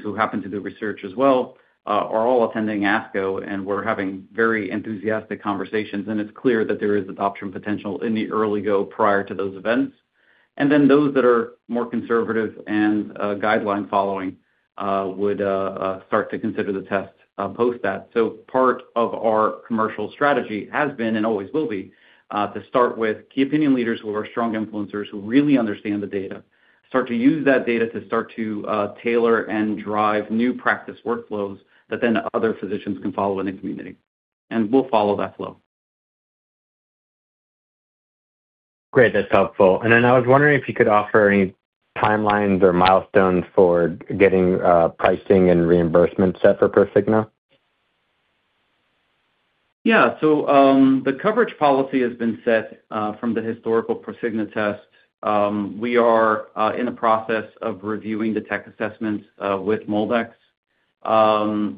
who happen to do research as well are all attending ASCO, and we're having very enthusiastic conversations. It's clear that there is adoption potential in the early go prior to those events. Those that are more conservative and guideline-following would start to consider the test post that. Part of our commercial strategy has been and always will be to start with key opinion leaders who are strong influencers, who really understand the data, start to use that data to start to tailor and drive new practice workflows that then other physicians can follow in the community. We'll follow that flow. Great. That's helpful. I was wondering if you could offer any timelines or milestones for getting pricing and reimbursement set for Prosigna. Yeah. The coverage policy has been set from the historical Prosigna test. We are in the process of reviewing the tech assessments with MolDX.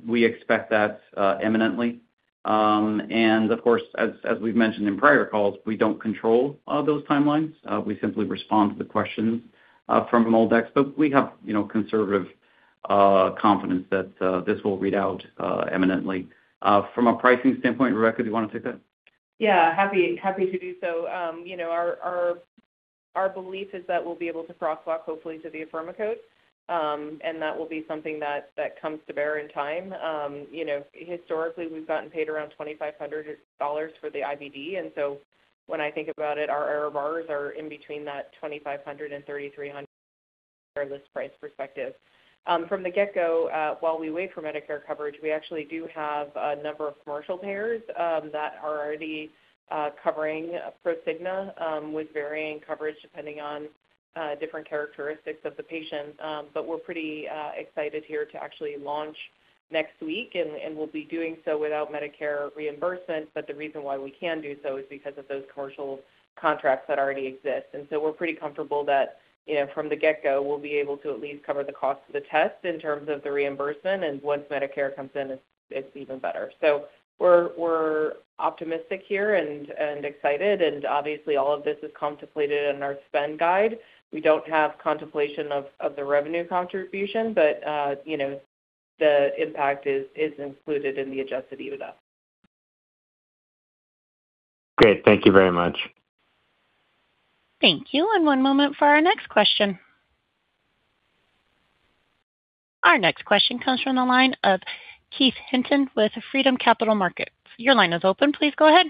We expect that imminently. Of course, as we've mentioned in prior calls, we don't control those timelines. We simply respond to the questions from MolDX. We have conservative confidence that this will read out imminently. From a pricing standpoint, Rebecca, do you want to take that? Yeah, happy to do so. Our belief is that we'll be able to crosswalk, hopefully, to the Afirma code, and that will be something that comes to bear in time. Historically, we've gotten paid around $2,500 for the IVD. When I think about it, our error bars are in between that $2,500 and $3,300 list price perspective. From the get-go, while we wait for Medicare coverage, we actually do have a number of commercial payers that are already covering Prosigna with varying coverage depending on different characteristics of the patient. We're pretty excited here to actually launch next week, and we'll be doing so without Medicare reimbursement. But the reason why we can do so is because of those commercial contracts that already exist. We're pretty comfortable that from the get-go, we'll be able to at least cover the cost of the test in terms of the reimbursement. Once Medicare comes in, it's even better. We're optimistic here and excited, and obviously, all of this is contemplated in our spend guide. We don't have contemplation of the revenue contribution, but the impact is included in the adjusted EBITDA. Great. Thank you very much. Thank you. One moment for our next question. Our next question comes from the line of Keith Hinton with Freedom Capital Markets. Your line is open. Please go ahead.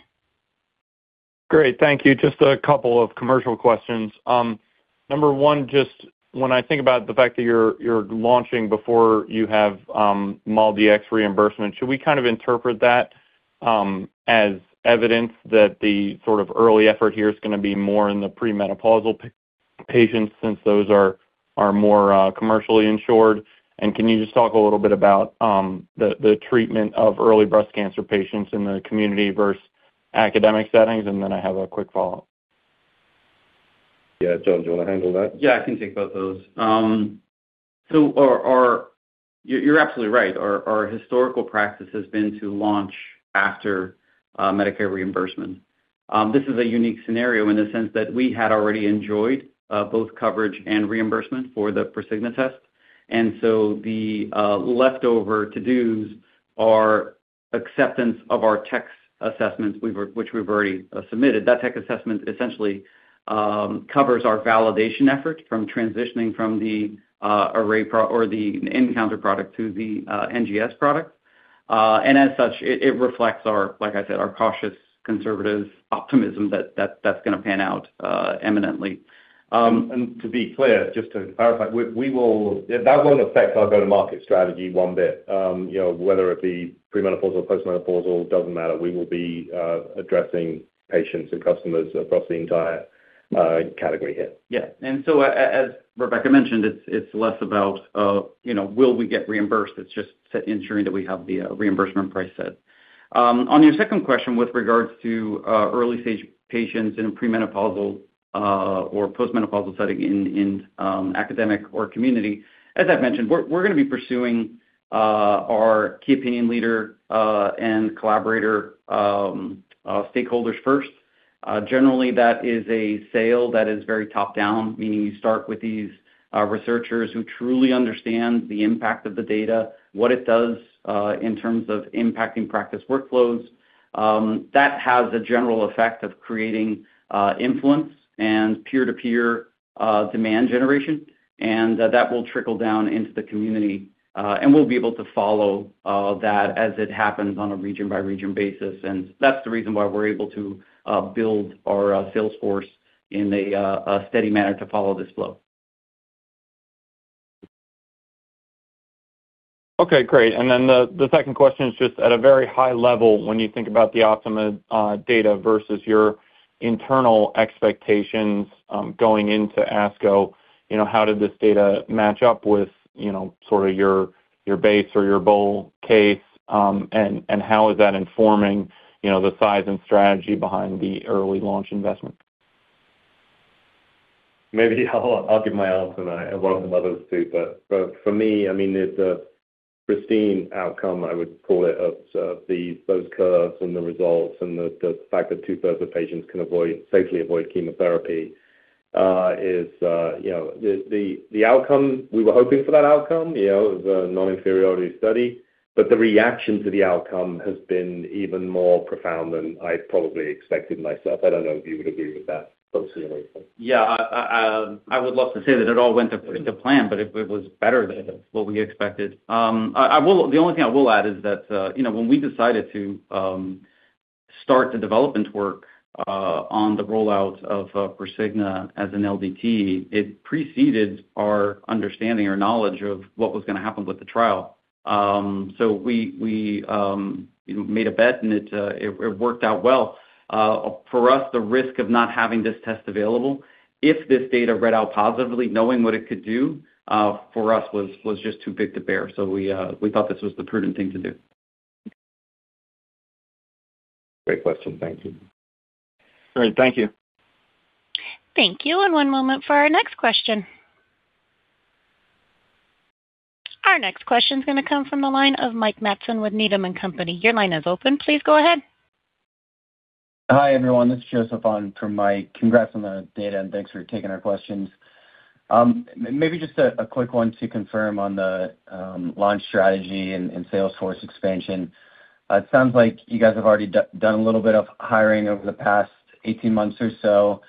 Great. Thank you. Just a couple of commercial questions. Number one, just when I think about the fact that you're launching before you have MolDX reimbursement, should we kind of interpret that as evidence that the sort of early effort here is going to be more in the premenopausal patients, since those are more commercially insured? And can you just talk a little bit about the treatment of early breast cancer patients in the community versus academic settings? Then, I have a quick follow-up. Yeah. John, do you want to handle that? Yeah, I can take both those. You're absolutely right. Our historical practice has been to launch after Medicare reimbursement. This is a unique scenario in the sense that we had already enjoyed both coverage and reimbursement for the Prosigna test, and so the leftover to-dos are acceptance of our tech assessments, which we've already submitted. That tech assessment essentially covers our validation effort from transitioning from the array or the nCounter product to the NGS product. As such, it reflects our, like I said, our cautious, conservative optimism that that's going to pan out eminently. To be clear, just to clarify, that won't affect our go-to-market strategy one bit. Whether it be premenopausal, postmenopausal, doesn't matter. We will be addressing patients and customers across the entire category here. Yeah. And so, as Rebecca mentioned, it's less about will we get reimbursed? It's just ensuring that we have the reimbursement price set. On your second question with regards to early-stage patients in a premenopausal or postmenopausal setting in academic or community, as I've mentioned, we're going to be pursuing our key opinion leader and collaborator stakeholders first. Generally, that is a sale that is very top-down, meaning you start with these researchers who truly understand the impact of the data, what it does in terms of impacting practice workflows. That has a general effect of creating influence and peer-to-peer demand generation. That will trickle down into the community, and we'll be able to follow that as it happens on a region-by-region basis. That's the reason why we're able to build our sales force in a steady manner to follow this flow. Okay, great. The second question is just at a very high level, when you think about the OPTIMA data versus your internal expectations going into ASCO, how did this data match up with sort of your base or your bull case, and how is that informing the size and strategy behind the early launch investment? Maybe I'll give my answer and welcome others, too. For me, it's a pristine outcome, I would call it, of those curves and the results and the fact that 2/3 of patients can safely avoid chemotherapy. We were hoping for that outcome, it was a non-inferiority study, but the reaction to the outcome has been even more profound than I probably expected myself. I don't know if you would agree with that, both of you. Yeah. I would love to say that it all went according to plan, but it was better than what we expected. The only thing I will add is that when we decided to start the development work on the rollout of Prosigna as an LDT, it preceded our understanding or knowledge of what was going to happen with the trial. We made a bet and it worked out well. For us, the risk of not having this test available if this data read out positively, knowing what it could do for us was just too big to bear. We thought this was the prudent thing to do. Great question. Thank you. Great. Thank you. Thank you. One moment for our next question. Our next question is going to come from the line of Mike Matson with Needham & Company. Your line is open. Please go ahead. Hi, everyone. This is [Joseph] on for Mike. Congrats on the data, and thanks for taking our questions. Maybe just a quick one to confirm on the launch strategy and sales force expansion. It sounds like you guys have already done a little bit of hiring over the past 18 months or so,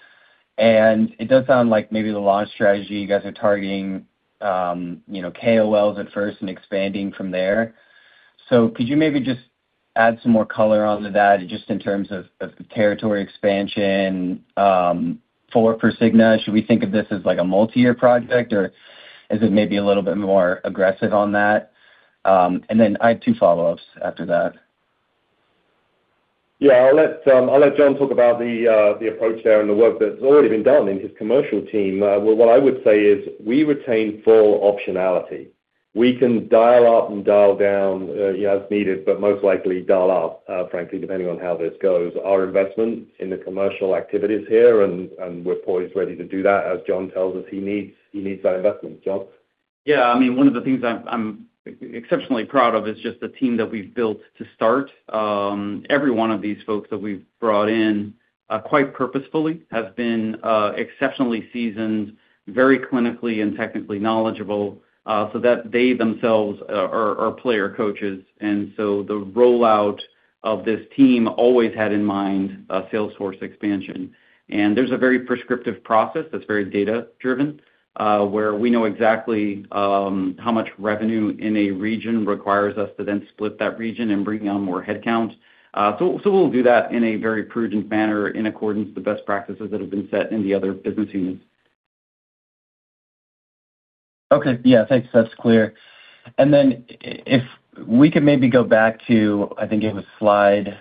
and it does sound like maybe the launch strategy you guys are targeting KOLs at first and expanding from there. Could you maybe just add some more color onto that just in terms of the territory expansion for Prosigna? Should we think of this as like a multi-year project, or is it maybe a little bit more aggressive on that? Then I have two follow-ups after that. Yeah. I'll let John talk about the approach there and the work that's already been done in his commercial team. What I would say is we retain full optionality. We can dial up and dial down as needed, but most likely dial up, frankly, depending on how this goes. Our investment in the commercial activity's here and we're always ready to do that as John tells us he needs, he needs that investment. John? Yeah. I mean, one of the things I'm exceptionally proud of is just the team that we've built to start. Every one of these folks that we've brought in quite purposefully has been exceptionally seasoned, very clinically and technically knowledgeable, so that they themselves are player coaches. The rollout of this team always had in mind a sales force expansion. There's a very prescriptive process that's very data-driven, where we know exactly how much revenue in a region requires us to then split that region and bring on more headcount. We'll do that in a very prudent manner in accordance with the best practices that have been set in the other business units. Okay. Yeah, thanks. That's clear. Then if we could maybe go back to, I think it was slide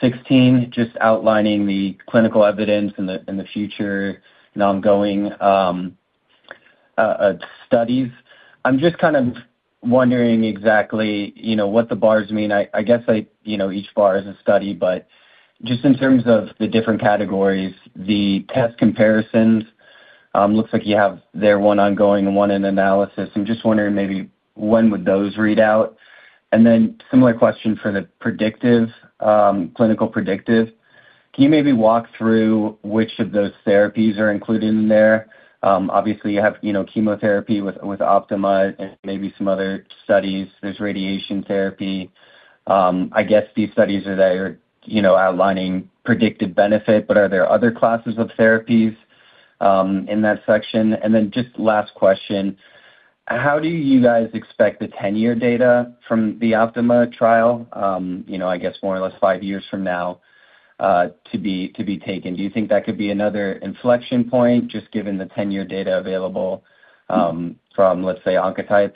16, just outlining the clinical evidence in the future and ongoing studies. I'm just kind of wondering exactly what the bars mean. I guess each bar is a study, but just in terms of the different categories, the test comparisons, looks like you have there one ongoing and one in analysis. I'm just wondering maybe when would those read out? Then similar question for the predictive, clinical predictive. Can you maybe walk through which of those therapies are included in there? Obviously, you have chemotherapy with OPTIMA and maybe some other studies. There's radiation therapy. I guess these studies are outlining predictive benefit, but are there other classes of therapies in that section? Then, just last question, how do you guys expect the 10-year data from the OPTIMA trial, I guess more or less five years from now, to be taken? Do you think that could be another inflection point, just given the 10-year data available from, let's say, Oncotype?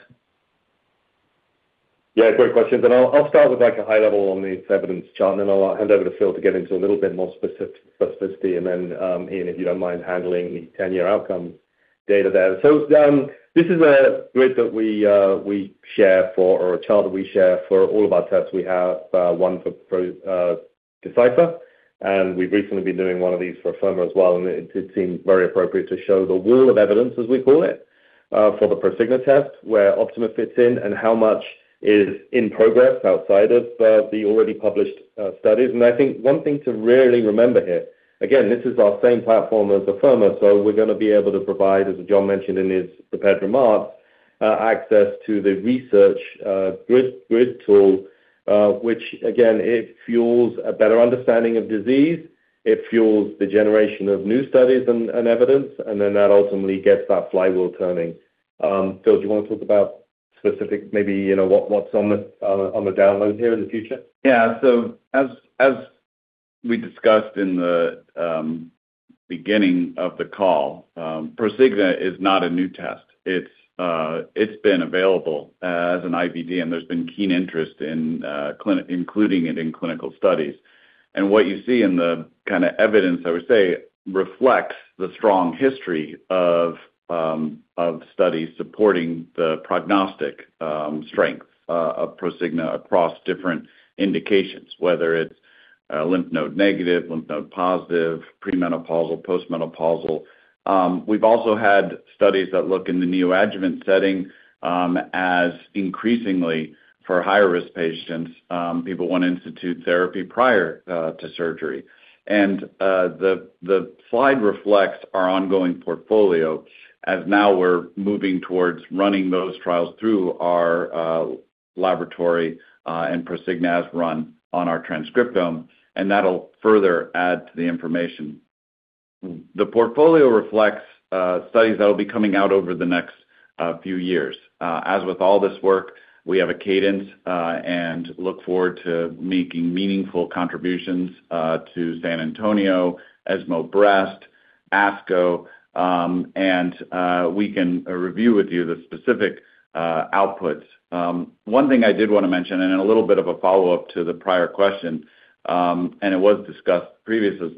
Yeah, great questions. I'll start with a high level on the evidence chart, then I'll hand over to Phil to get into a little bit more specificity. Then, Iain, if you don't mind handling the 10-year outcome data there. This is a grid that we share for or a chart that we share for all of our tests. We have one for Decipher, and we've recently been doing one of these for Afirma as well, and it seemed very appropriate to show the wall of evidence, as we call it, for the Prosigna test, where OPTIMA fits in and how much is in progress outside of the already published studies. I think one thing to really remember here, again, this is our same platform as Afirma, so we're going to be able to provide, as John mentioned in his prepared remarks, access to the research GRID tool, which again, it fuels a better understanding of disease. It fuels the generation of new studies and evidence, and then that ultimately gets that flywheel turning. Phil, do you want to talk about specific, maybe what's on the download here in the future? Yeah. As we discussed in the beginning of the call, Prosigna is not a new test. It's been available as an IVD, and there's been keen interest in including it in clinical studies. What you see in the kind of evidence, I would say, reflects the strong history of studies supporting the prognostic strength of Prosigna across different indications, whether it's lymph node-negative, lymph node-positive, premenopausal, postmenopausal. We've also had studies that look in the neoadjuvant setting as increasingly for higher risk patients, people want institute therapy prior to surgery. The slide reflects our ongoing portfolio as now, we're moving towards running those trials through our laboratory and Prosigna as run on our transcriptome, and that'll further add to the information. The portfolio reflects studies that'll be coming out over the next few years. As with all this work, we have a cadence and look forward to making meaningful contributions to San Antonio, ESMO Breast, ASCO, and we can review with you the specific outputs. One thing I did want to mention, and a little bit of a follow-up to the prior question, and it was discussed previously,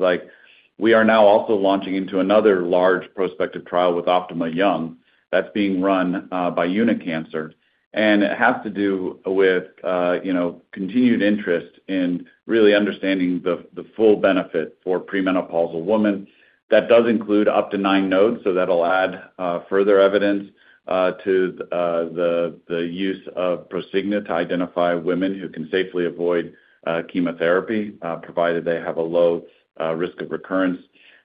we are now also launching into another large prospective trial with Optima-young that's being run by Unicancer. It has to do with continued interest in really understanding the full benefit for premenopausal women. That does include up to nine nodes, that'll add further evidence to the use of Prosigna to identify women who can safely avoid chemotherapy, provided they have a low risk of recurrence.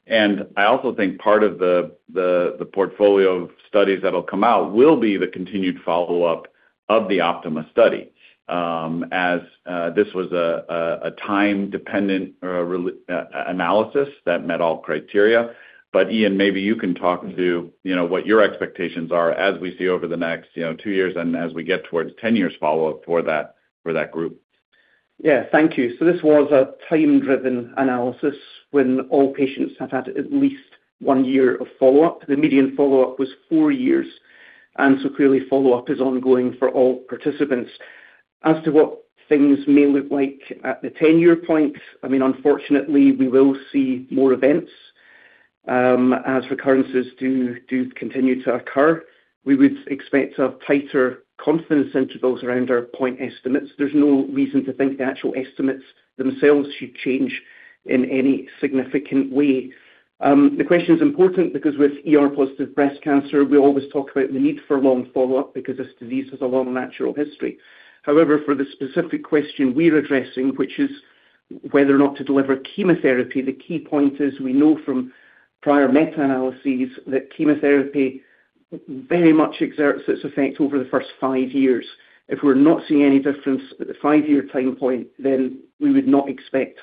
I also think part of the portfolio of studies that'll come out will be the continued follow-up of the OPTIMA study, as this was a time-dependent analysis that met all criteria. Iain, maybe you can talk to what your expectations are as we see over the next two years and as we get towards 10 years follow-up for that group. Thank you. This was a time-driven analysis when all patients have had at least one year of follow-up. The median follow-up was four years, and so clearly, follow-up is ongoing for all participants. As to what things may look like at the 10-year point, unfortunately, we will see more events as recurrences do continue to occur. We would expect tighter confidence intervals around our point estimates. There's no reason to think the actual estimates themselves should change in any significant way. The question's important because with ER-positive breast cancer, we always talk about the need for long follow-up because this disease has a long natural history. However, for the specific question we're addressing, which is whether or not to deliver chemotherapy, the key point is we know from prior meta-analyses that chemotherapy very much exerts its effect over the first five years. If we're not seeing any difference at the five-year time point, then we would not expect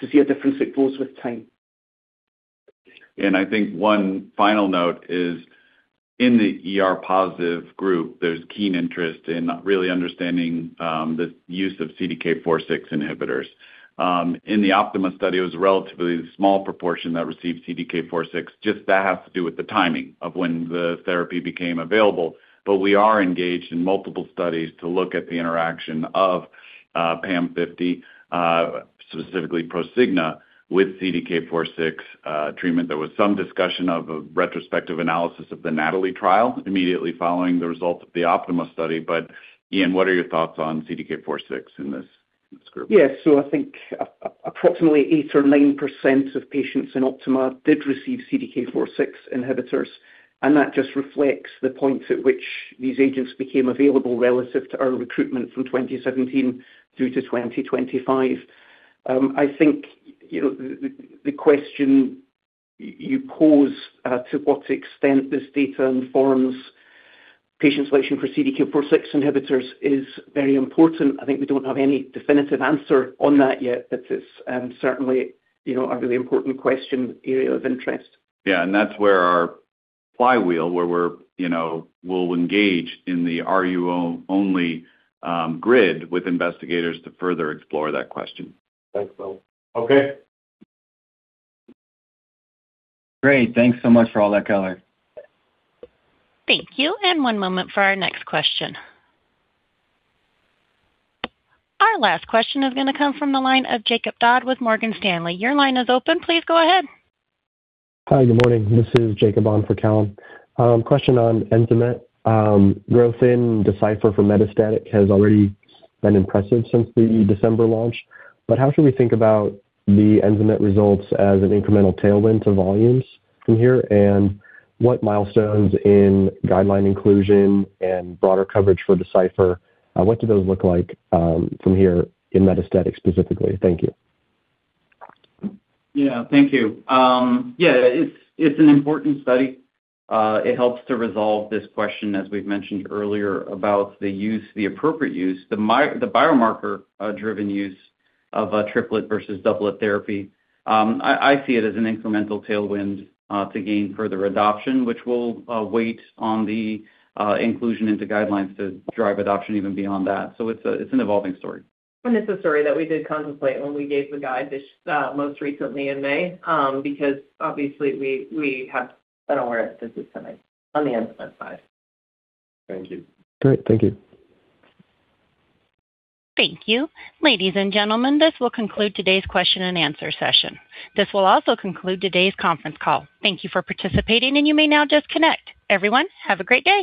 to see a difference that goes with time. I think one final note is in the ER-positive group, there's keen interest in really understanding the use of CDK4/6 inhibitors. In the OPTIMA study, it was a relatively small proportion that received CDK4/6. Just that has to do with the timing of when the therapy became available. We are engaged in multiple studies to look at the interaction of PAM50, specifically Prosigna, with CDK4/6 treatment. There was some discussion of a retrospective analysis of the NATALEE trial immediately following the result of the OPTIMA study. Iain, what are your thoughts on CDK4/6 in this group? Yeah. I think approximately 8% or 9% of patients in OPTIMA did receive CDK4/6 inhibitors, and that just reflects the point at which these agents became available relative to our recruitment from 2017 through to 2025. I think the question you pose to what extent this data informs patient selection for CDK4/6 inhibitors is very important. I think we don't have any definitive answer on that yet, but it's certainly a really important question area of interest. Yeah, that's where our flywheel, where we'll engage in the RUO-only GRID with investigators to further explore that question. Thanks, Phil. Okay. Great. Thanks so much for all that color. Thank you. One moment for our next question. Our last question is going to come from the line of Jakob Dodd with Morgan Stanley. Your line is open. Please go ahead. Hi. Good morning. This is Jakob on for Kallum. Question on ENZAMET. Growth in Decipher for metastatic has already been impressive since the December launch, but how should we think about the ENZAMET results as an incremental tailwind to volumes from here? What milestones in guideline inclusion and broader coverage for Decipher, what do those look like from here in metastatic specifically? Thank you. Yeah, thank you. Yeah, it's an important study. It helps to resolve this question, as we've mentioned earlier, about the use, the appropriate use, the biomarker-driven use of triplet versus doublet therapy. I see it as an incremental tailwind to gain further adoption, which will wait on the inclusion into guidelines to drive adoption even beyond that. It's an evolving story. It's a story that we did contemplate when we gave the guide most recently in May because obviously we have been aware of this incoming on the ENZAMET side. Thank you. Great. Thank you. Thank you. Ladies and gentlemen, this will conclude today's question-and-answer session. This will also conclude today's conference call. Thank you for participating, and you may now disconnect. Everyone, have a great day.